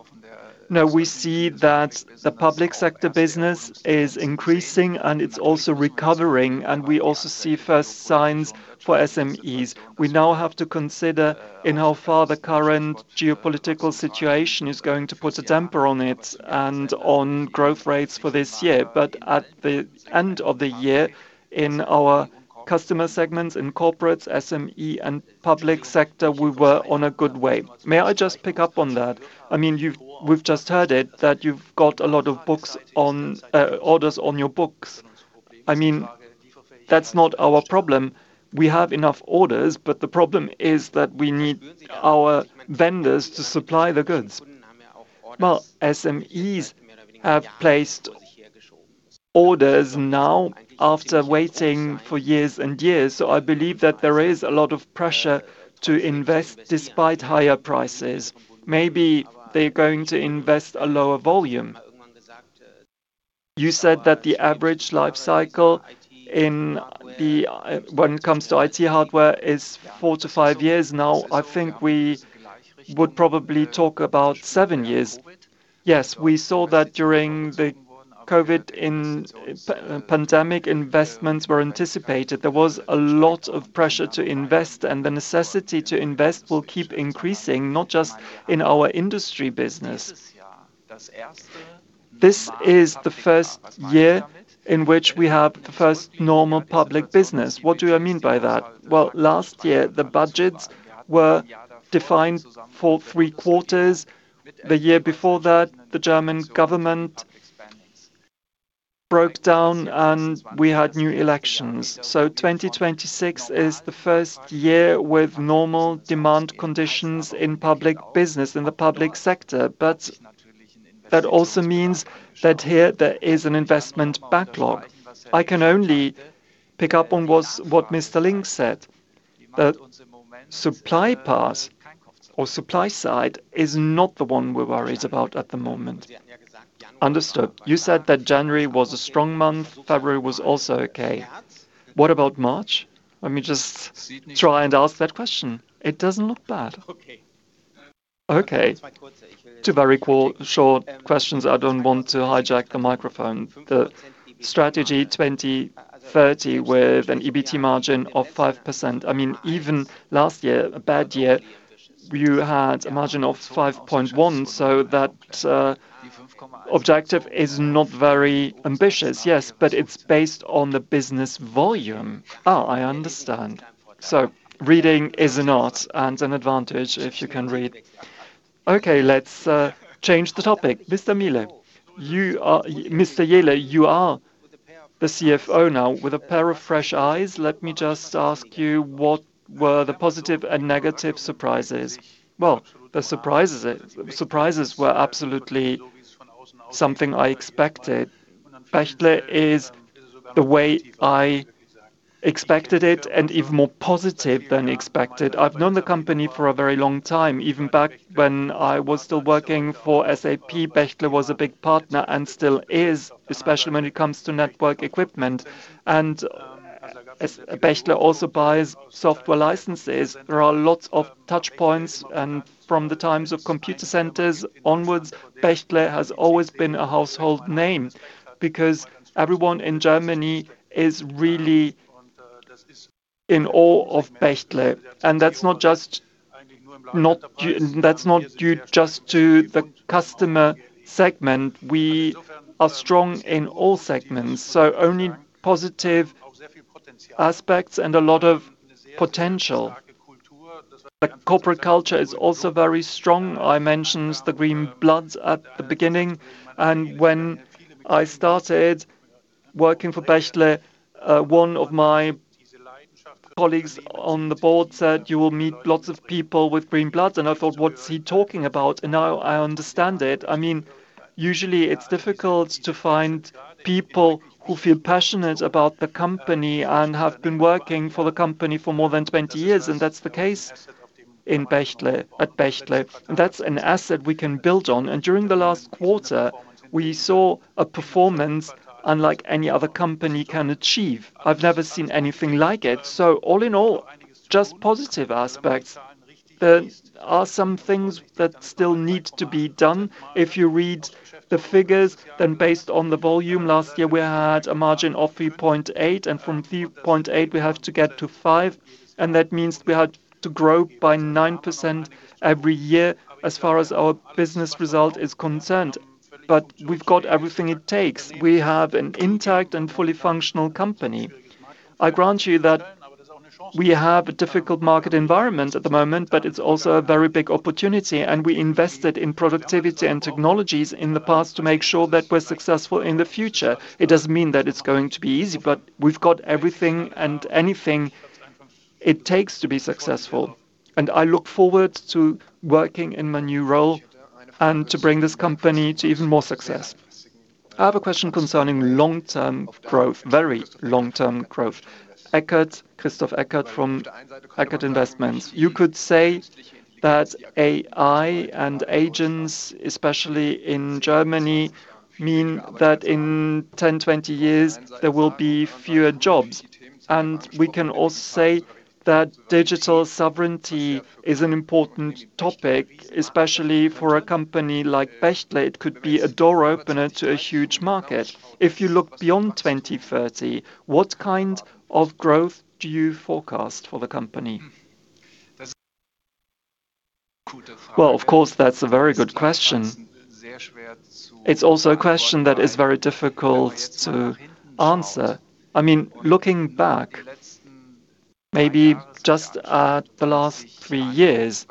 Speaker 8: Now we see that the public sector business is increasing, and it's also recovering, and we also see first signs for SMEs. We now have to consider in how far the current geopolitical situation is going to put a damper on it and on growth rates for this year.
Speaker 3: At the end of the year, in our customer segments, in corporates, SME, and public sector, we were on a good way. May I just pick up on that? I mean, we've just heard it, that you've got a lot of orders on your books. I mean, that's not our problem. We have enough orders, but the problem is that we need our vendors to supply the goods. Well, SMEs have placed orders now after waiting for years and years, so I believe that there is a lot of pressure to invest despite higher prices. Maybe they're going to invest a lower volume. You said that the average life cycle in the, when it comes to IT hardware is four-five years. Now, I think we would probably talk about seven years. Yes. We saw that during the COVID pandemic, investments were anticipated. There was a lot of pressure to invest, and the necessity to invest will keep increasing, not just in our industry business. This is the first year in which we have the first normal public business. What do I mean by that? Well, last year, the budgets were defined for three quarters. The year before that, the German government broke down and we had new elections. 2026 is the first year with normal demand conditions in public business, in the public sector. That also means that here there is an investment backlog. I can only pick up on what Mr. Link said, that supply path or supply side is not the one we're worried about at the moment. Understood. You said that January was a strong month. February was also okay. What about March? Let me just try and ask that question. It doesn't look bad. Okay. Two very short questions. I don't want to hijack the microphone. The Strategy 2030 with an EBT margin of 5%. I mean, even last year, a bad year, you had a margin of 5.1%, so that objective is not very ambitious. Yes, but it's based on the business volume. Oh, I understand. Reading is an art and an advantage if you can read. Okay, let's change the topic. Mr. Jehle, you are the CFO now. With a pair of fresh eyes, let me just ask you what were the positive and negative surprises? Well, the surprises were absolutely something I expected. Bechtle is the way I expected it and even more positive than expected. I've known the company for a very long time. Even back when I was still working for SAP, Bechtle was a big partner and still is, especially when it comes to network equipment. Bechtle also buys software licenses. There are lots of touch points, and from the times of Computacenter onwards, Bechtle has always been a household name because everyone in Germany is really in awe of Bechtle. That's not due just to the customer segment. We are strong in all segments, so only positive aspects and a lot of potential. The corporate culture is also very strong. I mentioned the green blood at the beginning, and when I started working for Bechtle, one of my colleagues on the board said, "You will meet lots of people with green blood." I thought, "What's he talking about?" Now I understand it. I mean, usually it's difficult to find people who feel passionate about the company and have been working for the company for more than 20 years, and that's the case in Bechtle, at Bechtle. That's an asset we can build on. During the last quarter, we saw a performance unlike any other company can achieve. I've never seen anything like it. All in all, just positive aspects. There are some things that still need to be done. If you read the figures, then based on the volume, last year we had a margin of 3.8%, and from 3.8% we have to get to 5%, and that means we have to grow by 9% every year as far as our business result is concerned. We've got everything it takes. We have an intact and fully functional company. I grant you that. We have a difficult market environment at the moment, but it's also a very big opportunity, and we invested in productivity and technologies in the past to make sure that we're successful in the future. It doesn't mean that it's going to be easy, but we've got everything and anything it takes to be successful. I look forward to working in my new role and to bring this company to even more success.
Speaker 9: I have a question concerning long-term growth, very long-term growth. Christoph Eckert from Eckert Mittelstand Invest. You could say that AI and agents, especially in Germany, mean that in 10, 20 years, there will be fewer jobs. We can also say that digital sovereignty is an important topic, especially for a company like Bechtle. It could be a door opener to a huge market. If you look beyond 2030, what kind of growth do you forecast for the company?
Speaker 3: Well, of course, that's a very good question. It's also a question that is very difficult to answer. I mean, looking back maybe just at the last three years,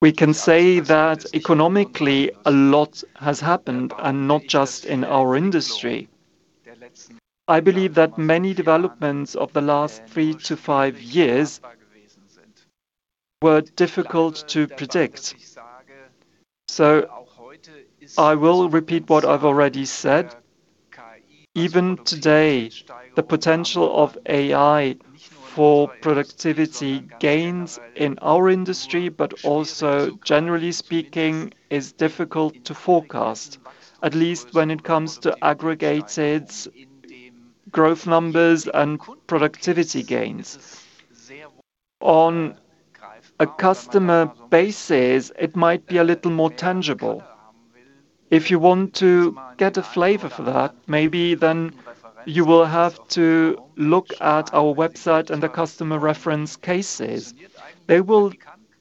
Speaker 3: we can say that economically a lot has happened, and not just in our industry. I believe that many developments of the last three to five years were difficult to predict. I will repeat what I've already said. Even today, the potential of AI for productivity gains in our industry, but also generally speaking, is difficult to forecast, at least when it comes to aggregated growth numbers and productivity gains. On a customer basis, it might be a little more tangible. If you want to get a flavor for that, maybe then you will have to look at our website and the customer reference cases. They will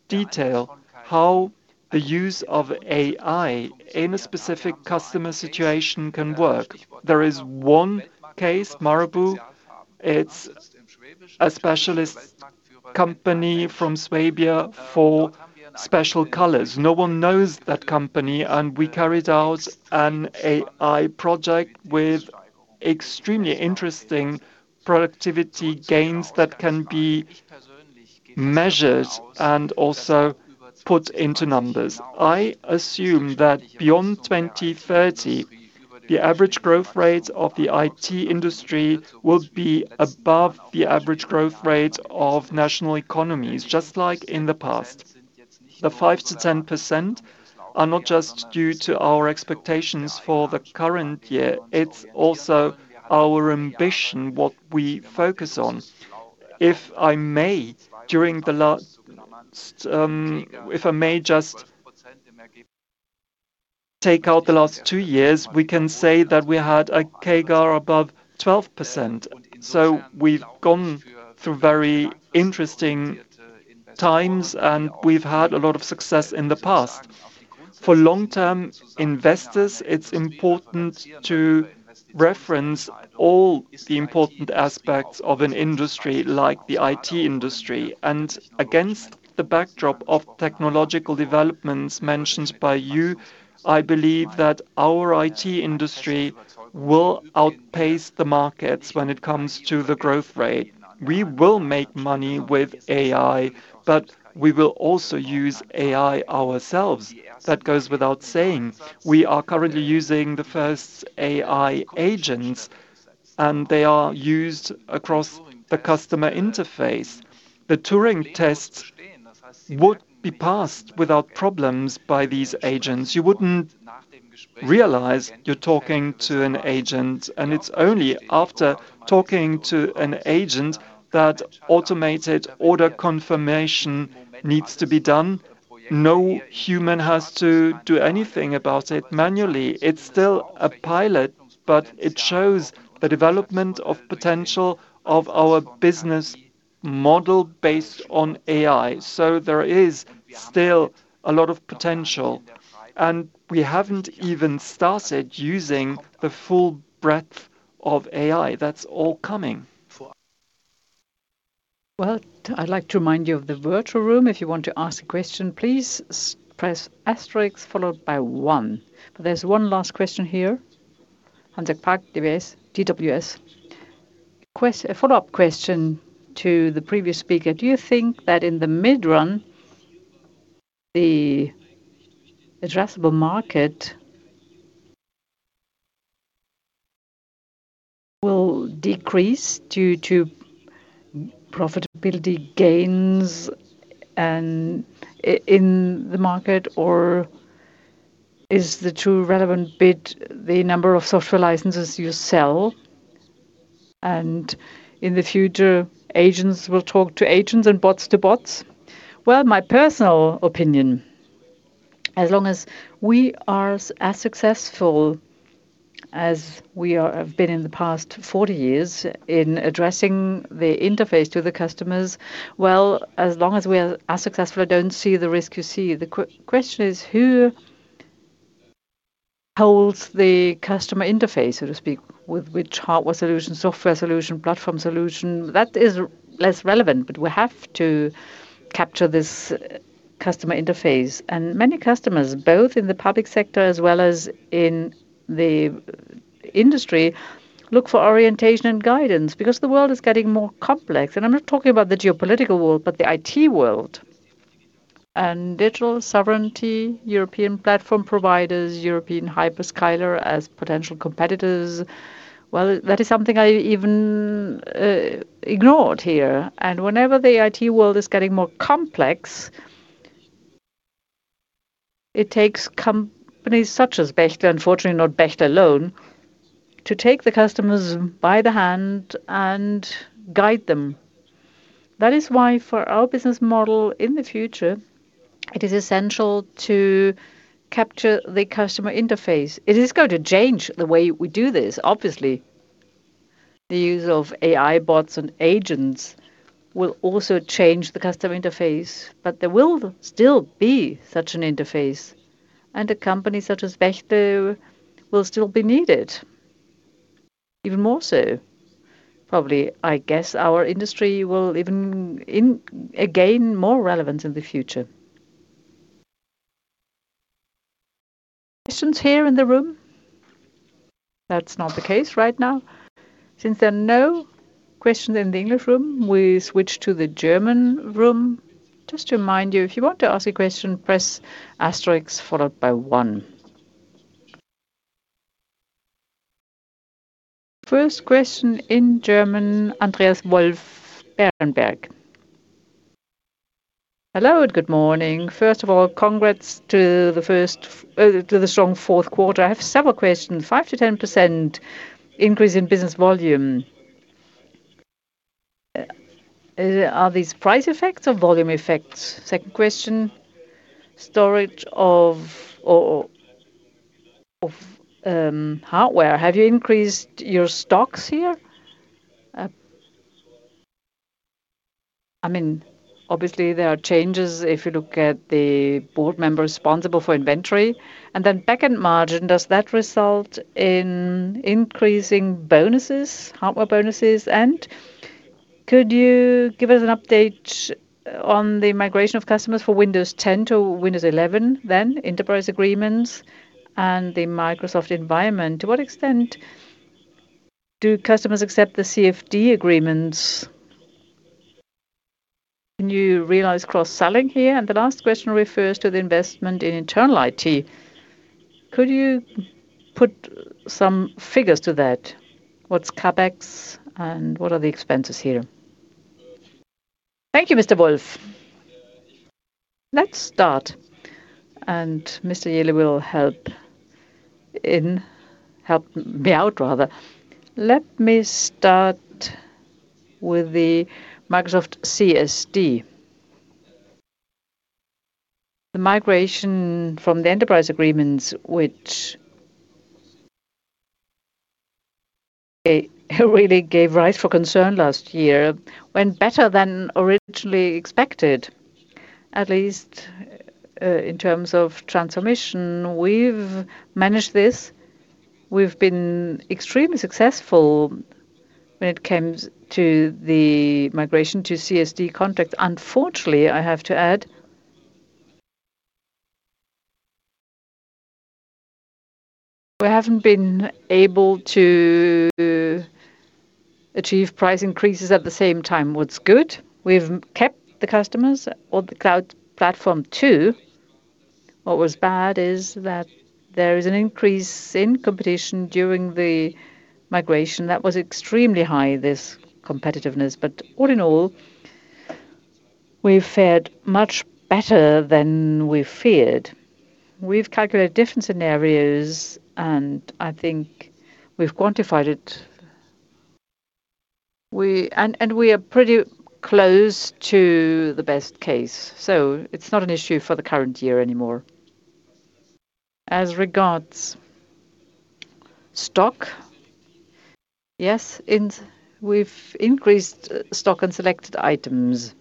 Speaker 3: detail how the use of AI in a specific customer situation can work. There is one case, Marabu. It's a specialist company from Swabia for special colors. No one knows that company, and we carried out an AI project with extremely interesting productivity gains that can be measured and also put into numbers. I assume that beyond 2030, the average growth rate of the IT industry will be above the average growth rate of national economies, just like in the past. The 5%-10% are not just due to our expectations for the current year. It's also our ambition, what we focus on. If I may just take out the last two years, we can say that we had a CAGR above 12%. We've gone through very interesting times, and we've had a lot of success in the past. For long-term investors, it's important to reference all the important aspects of an industry like the IT industry. Against the backdrop of technological developments mentioned by you, I believe that our IT industry will outpace the markets when it comes to the growth rate. We will make money with AI, but we will also use AI ourselves. That goes without saying. We are currently using the first AI agents, and they are used across the customer interface. The Turing test would be passed without problems by these agents. You wouldn't realize you're talking to an agent, and it's only after talking to an agent that automated order confirmation needs to be done. No human has to do anything about it manually. It's still a pilot, but it shows the development of potential of our business model based on AI. There is still a lot of potential, and we haven't even started using the full breadth of AI. That's all coming.
Speaker 1: Well, I'd like to remind you of the virtual room. If you want to ask a question, please press asterisk followed by one. There's one last question here. Hans-Jörg Naumer, DWS.
Speaker 10: A follow-up question to the previous speaker. Do you think that in the mid-term, the addressable market will decrease due to profitability gains and in the market? Or is the true relevant bit the number of software licenses you sell, and in the future, agents will talk to agents and bots to bots?
Speaker 3: Well, my personal opinion, as long as we are as successful as we have been in the past 40 years in addressing the interface to the customers, well, as long as we are successful, I don't see the risk you see. The question is who. Holds the customer interface, so to speak, with which hardware solution, software solution, platform solution, that is less relevant. We have to capture this customer interface. Many customers, both in the public sector as well as in the industry, look for orientation and guidance because the world is getting more complex. I'm not talking about the geopolitical world, but the IT world and digital sovereignty, European platform providers, European hyperscaler as potential competitors. Well, that is something I even ignored here. Whenever the IT world is getting more complex, it takes companies such as Bechtle, unfortunately not Bechtle alone, to take the customers by the hand and guide them. That is why for our business model in the future, it is essential to capture the customer interface. It is going to change the way we do this, obviously.
Speaker 2: The use of AI bots and agents will also change the customer interface, but there will still be such an interface, and a company such as Bechtle will still be needed. Even more so, probably, I guess our industry will even gain more relevance in the future.
Speaker 1: Questions here in the room? That's not the case right now. Since there are no questions in the English room, we switch to the German room. Just to remind you, if you want to ask a question, press asterisk followed by one. First question in German, Andreas Wolf, Berenberg.
Speaker 11: Hello, and good morning. First of all, congrats to the strong fourth quarter. I have several questions. 5%-10% increase in business volume. Are these price effects or volume effects? Second question, storage of hardware. Have you increased your stocks here? I mean, obviously there are changes if you look at the board member responsible for inventory. Back-end margin, does that result in increasing bonuses, hardware bonuses? Could you give us an update on the migration of customers for Windows 10 to Windows 11, enterprise agreements and the Microsoft environment? To what extent do customers accept the CSP agreements? Can you realize cross-selling here? The last question refers to the investment in internal IT. Could you put some figures to that? What's CapEx and what are the expenses here?
Speaker 3: Thank you, Mr. Wolf. Let's start. Mr. Jehle will help me out, rather. Let me start with the Microsoft CSP. The migration from the enterprise agreements, which they really gave rise to concern last year, went better than originally expected, at least in terms of transformation. We've managed this. We've been extremely successful when it comes to the migration to CSP contracts. Unfortunately, I have to add, we haven't been able to achieve price increases at the same time. What's good, we've kept the customers on the cloud platform too. What was bad is that there is an increase in competition during the migration that was extremely high, this competitiveness. All in all, we fared much better than we feared. We've calculated different scenarios, and I think we've quantified it. We are pretty close to the best case. It's not an issue for the current year anymore. As regards stock, yes, we've increased stock and selected items.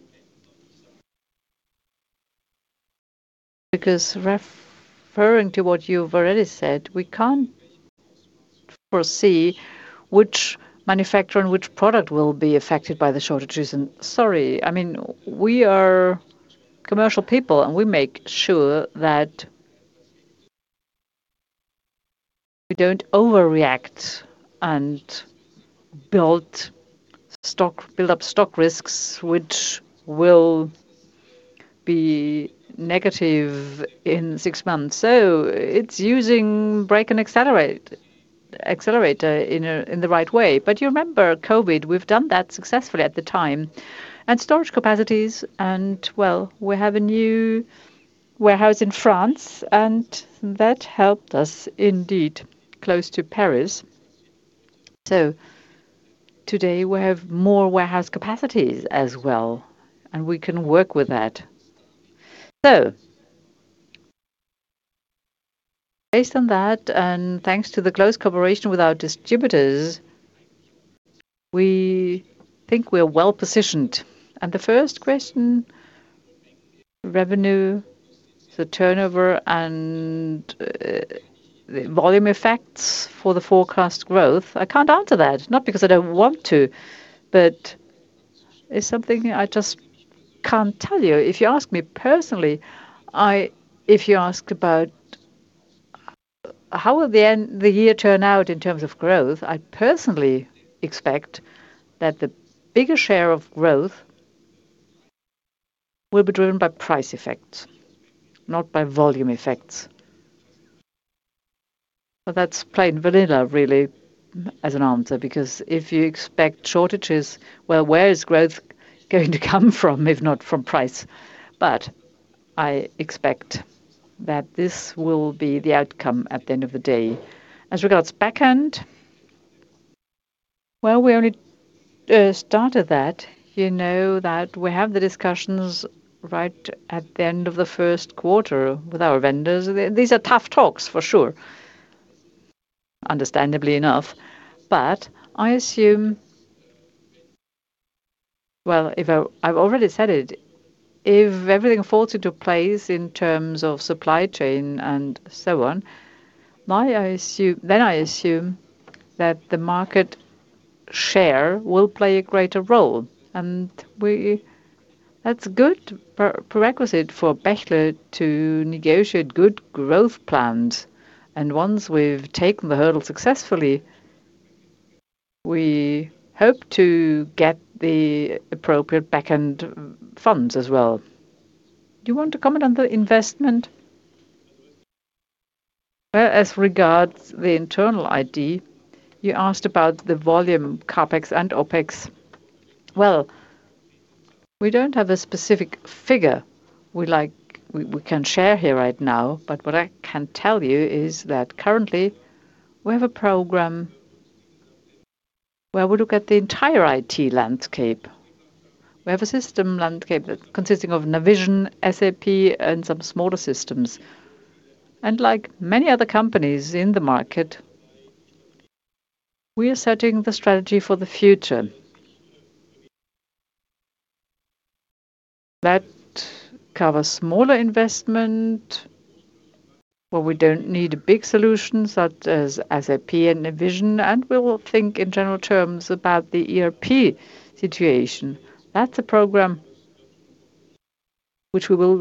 Speaker 3: Because referring to what you've already said, we can't foresee which manufacturer and which product will be affected by the shortages. Sorry, I mean, we are commercial people, and we make sure that we don't overreact and build up stock risks, which will be negative in six months. It's using brake and accelerator in the right way. But you remember COVID, we've done that successfully at the time. Storage capacities and, well, we have a new warehouse in France, and that helped us indeed, close to Paris. Today we have more warehouse capacities as well, and we can work with that. Based on that, and thanks to the close cooperation with our distributors. We think we're well-positioned. The first question, revenue, the turnover, and the volume effects for the forecast growth, I can't answer that. Not because I don't want to, but it's something I just can't tell you. If you ask me personally, if you ask about how will the year turn out in terms of growth, I personally expect that the bigger share of growth will be driven by price effects, not by volume effects. That's plain vanilla, really, as an answer, because if you expect shortages, well, where is growth going to come from if not from price? I expect that this will be the outcome at the end of the day. As regards back end, well, we only started that. You know that we have the discussions right at the end of the first quarter with our vendors. These are tough talks for sure, understandably enough. I assume. Well, I've already said it. If everything falls into place in terms of supply chain and so on, then I assume that the market share will play a greater role. That's good prerequisite for Bechtle to negotiate good growth plans. Once we've taken the hurdle successfully, we hope to get the appropriate back end funds as well. Do you want to comment on the investment? Well, as regards the internal IT, you asked about the volume CapEx and OpEx. Well, we don't have a specific figure we can share here right now, but what I can tell you is that currently we have a program where we look at the entire IT landscape. We have a system landscape consisting of Navision, SAP, and some smaller systems. Like many other companies in the market, we are setting the strategy for the future.
Speaker 2: That covers smaller investment where we don't need a big solution such as SAP and Navision, and we will think in general terms about the ERP situation. That's a program which we will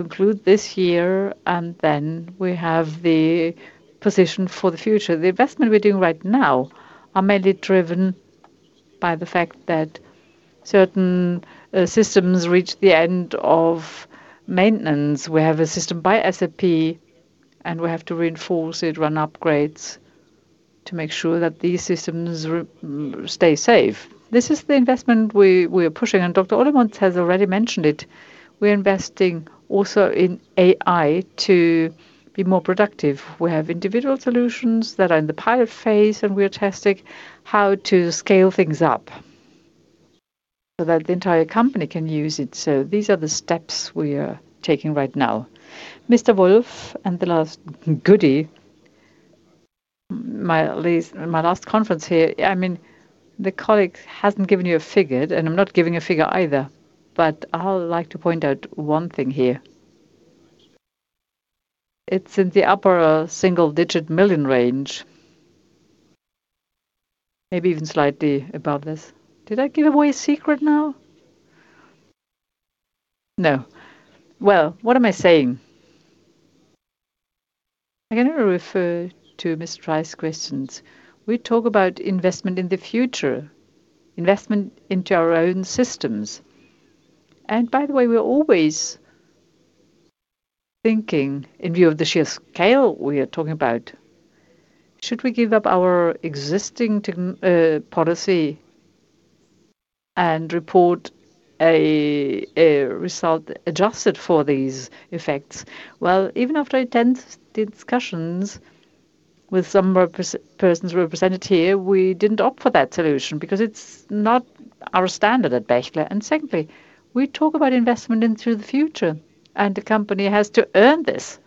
Speaker 2: conclude this year, and then we have the position for the future. The investment we're doing right now are mainly driven by the fact that certain systems reach the end of maintenance. We have a system by SAP, and we have to reinforce it, run upgrades to make sure that these systems stay safe. This is the investment we're pushing, and Dr. Olemotz has already mentioned it. We're investing also in AI to be more productive. We have individual solutions that are in the pilot phase, and we are testing how to scale things up so that the entire company can use it. These are the steps we are taking right now. Mr. Wolf, and the last goodbye, my last conference here. I mean, the colleague hasn't given you a figure, and I'm not giving a figure either, but I'd like to point out one thing here. It's in the upper single-digit million range, maybe even slightly above this. Did I give away a secret now? No. Well, what am I saying?
Speaker 1: I'm gonna refer to Ms. Treisch's questions. We talk about investment in the future, investment into our own systems. By the way, we're always thinking in view of the sheer scale we are talking about, should we give up our existing tech policy and report a result adjusted for these effects? Well, even after intense discussions with some representatives present here, we didn't opt for that solution because it's not our standard at Bechtle.
Speaker 2: Secondly, we talk about investment into the future, and the company has to earn this.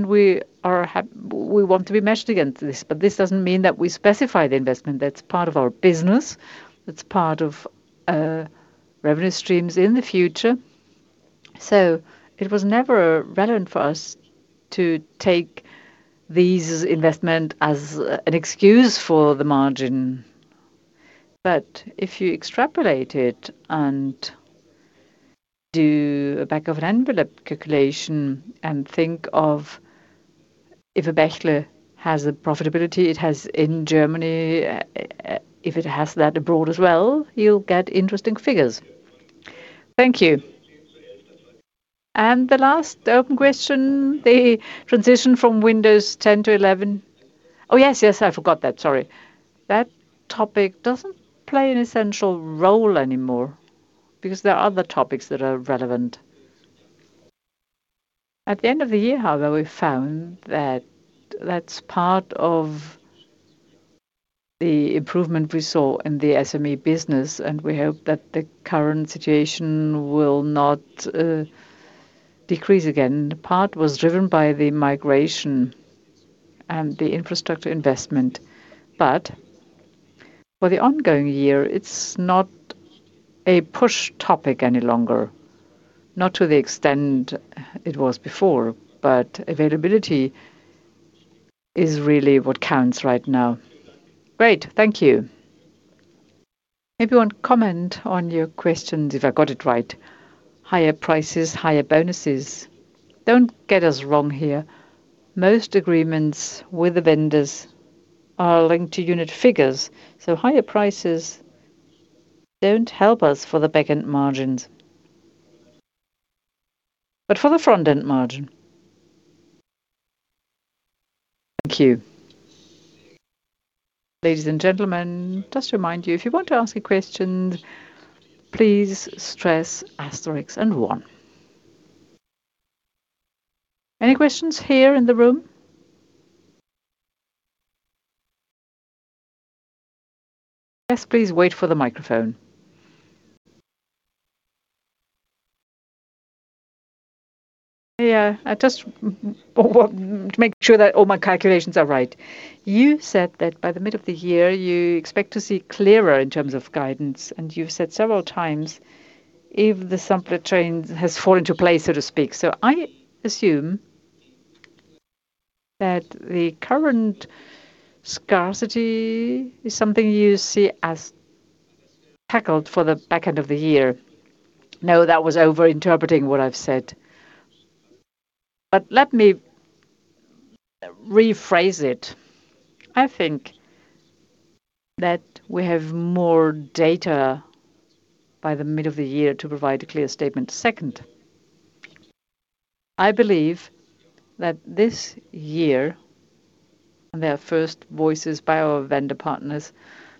Speaker 2: We want to be measured against this, but this doesn't mean that we specify the investment. That's part of our business. That's part of revenue streams in the future. It was never relevant for us to take these investment as an excuse for the margin. If you extrapolate it and do a back of an envelope calculation and think of if Bechtle has the profitability it has in Germany, if it has that abroad as well, you'll get interesting figures.
Speaker 1: Thank you. The last open question, the transition from Windows 10 to 11. Oh, yes, I forgot that. Sorry. That topic doesn't play an essential role anymore because there are other topics that are relevant.
Speaker 2: At the end of the year, however, we found that that's part of the improvement we saw in the SME business, and we hope that the current situation will not decrease again. Part was driven by the migration and the infrastructure investment. For the ongoing year, it's not a push topic any longer, not to the extent it was before. Availability is really what counts right now. Great, thank you. Maybe you want to comment on your questions if I got it right. Higher prices, higher bonuses. Don't get us wrong here. Most agreements with the vendors are linked to unit figures, so higher prices don't help us for the back-end margins, but for the front-end margin.
Speaker 4: Thank you. Ladies and gentlemen, just to remind you, if you want to ask a question, please press star one. Any questions here in the room?
Speaker 1: Yes, please wait for the microphone. I want to make sure that all my calculations are right. You said that by the middle of the year, you expect to see clearer in terms of guidance, and you've said several times if the supply chain has fallen into place, so to speak. I assume that the current scarcity is something you see as tackled for the back end of the year. No, that was over-interpreting what I've said. Let me rephrase it. I think that we have more data by the middle of the year to provide a clear statement. Second, I believe that this year, and there are first voices by our vendor partners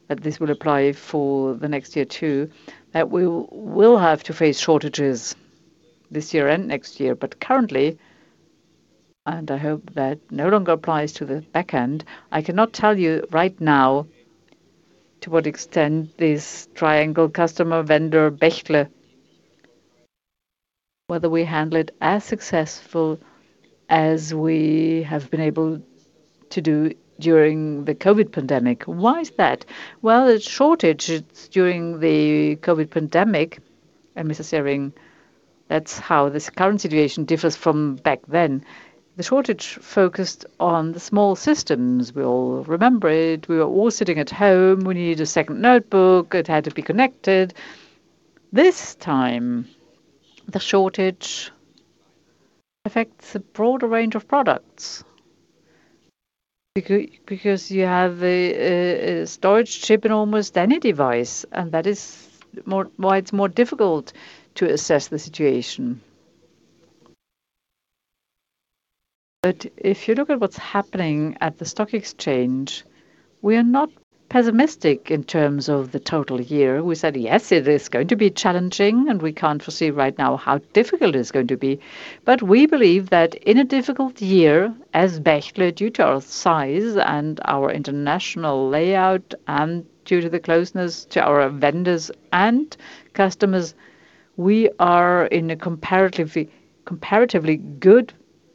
Speaker 1: that this will apply for the next year, too, that we will have to face shortages this year and next year.
Speaker 3: Currently, and I hope that no longer applies to the back end, I cannot tell you right now to what extent this triangle customer vendor, Bechtle, whether we handle it as successful as we have been able to do during the COVID pandemic. Why is that? Well, the shortage, it's during the COVID pandemic, and Mr. Ziering, that's how this current situation differs from back then. The shortage focused on the small systems. We all remember it. We were all sitting at home. We needed a second notebook. It had to be connected. This time, the shortage affects a broader range of products because you have a a storage chip in almost any device, and that is why it's more difficult to assess the situation. If you look at what's happening at the stock exchange, we are not pessimistic in terms of the total year. We said, yes, it is going to be challenging, and we can't foresee right now how difficult it's going to be. We believe that in a difficult year, as Bechtle, due to our size and our international layout and due to the closeness to our vendors and customers, we are in a comparatively good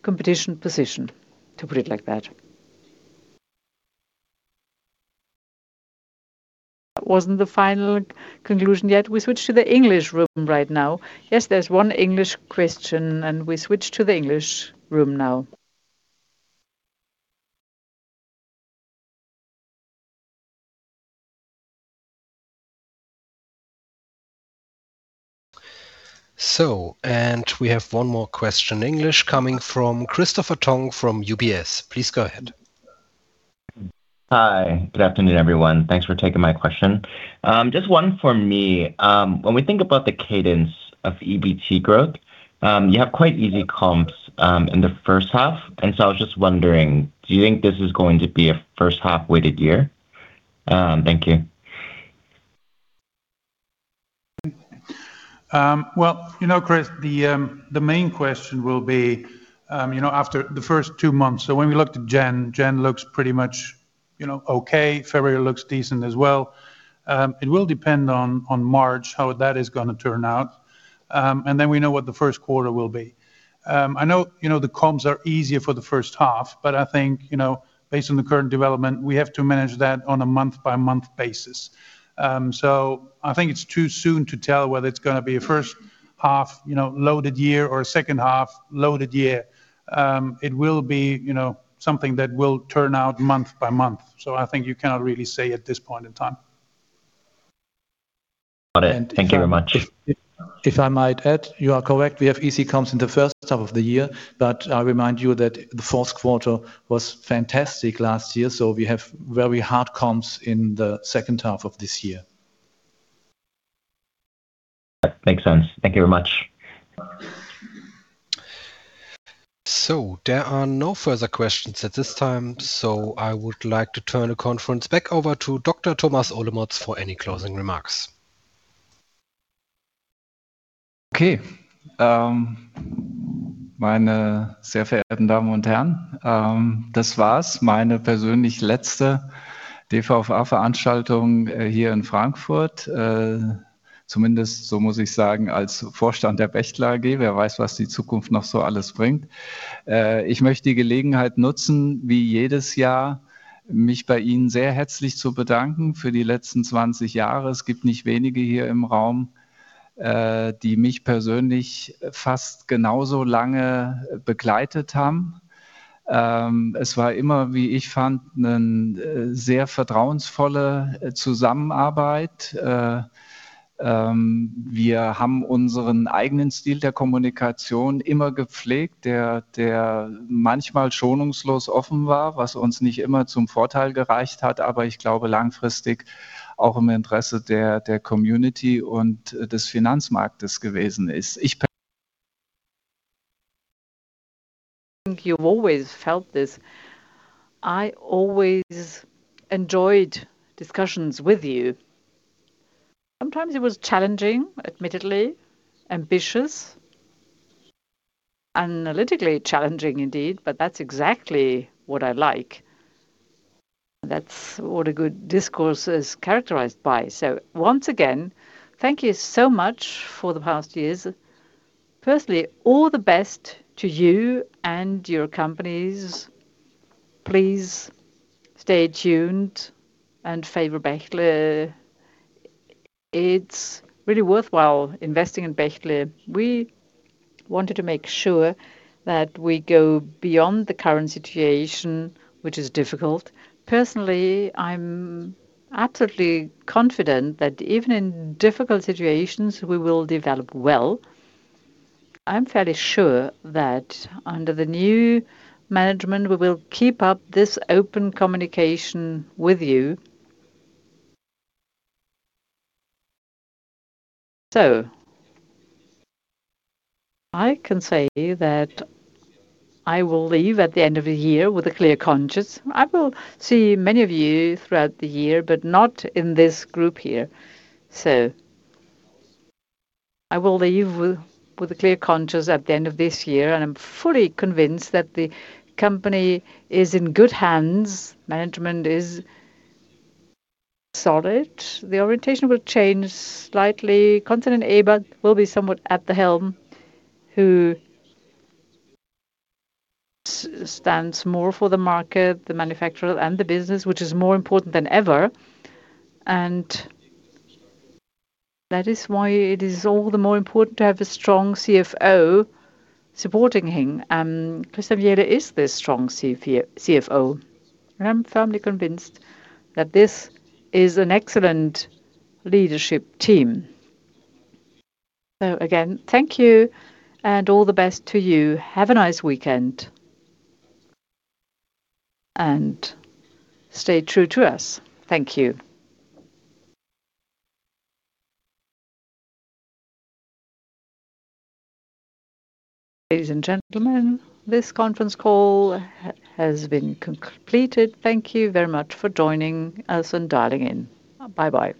Speaker 3: competition position, to put it like that. That wasn't the final conclusion yet. We switch to the English room right now. Yes, there's one English question, we switch to the English room now.
Speaker 4: We have one more question, English, coming from Christopher Tong from UBS. Please go ahead.
Speaker 12: Hi. Good afternoon, everyone. Thanks for taking my question. Just one for me. When we think about the cadence of EBT growth, you have quite easy comps in the first half, and so I was just wondering, do you think this is going to be a first half-weighted year? Thank you.
Speaker 2: Well, you know, Chris, the main question will be, you know, after the first two months. When we look to January looks pretty much, you know, okay. February looks decent as well. It will depend on March, how that is gonna turn out. Then we know what the first quarter will be. I know, you know, the comps are easier for the first half, but I think, you know, based on the current development, we have to manage that on a month-by-month basis. I think it's too soon to tell whether it's gonna be a first half, you know, loaded year or a second half loaded year. It will be, you know, something that will turn out month by month. I think you cannot really say at this point in time.
Speaker 12: Got it. Thank you very much.
Speaker 3: If I might add, you are correct. We have easy comps in the first half of the year, but I remind you that the fourth quarter was fantastic last year, so we have very hard comps in the second half of this year.
Speaker 12: That makes sense. Thank you very much.
Speaker 4: There are no further questions at this time, so I would like to turn the conference back over to Dr. Thomas Olemotz for any closing remarks.
Speaker 3: Okay. I think you've always felt this. I always enjoyed discussions with you. Sometimes it was challenging, admittedly ambitious, analytically challenging indeed, but that's exactly what I like. That's what a good discourse is characterized by. Once again, thank you so much for the past years. Personally, all the best to you and your companies. Please stay tuned and favor Bechtle. It's really worthwhile investing in Bechtle. We wanted to make sure that we go beyond the current situation, which is difficult. Personally, I'm absolutely confident that even in difficult situations, we will develop well. I'm fairly sure that under the new management, we will keep up this open communication with you. I can say that I will leave at the end of the year with a clear conscience. I will see many of you throughout the year, but not in this group here. I will leave with a clear conscience at the end of this year, and I'm fully convinced that the company is in good hands. Management is solid. The orientation will change slightly. Konstantin Ebert will be somewhat at the helm, who stands more for the market, the manufacturer and the business, which is more important than ever, and that is why it is all the more important to have a strong CFO supporting him. Christian Jehle is the strong CFO, and I'm firmly convinced that this is an excellent leadership team. Again, thank you and all the best to you. Have a nice weekend. Stay true to us. Thank you. Ladies and gentlemen, this conference call has been completed. Thank you very much for joining us and dialing in. Bye-bye.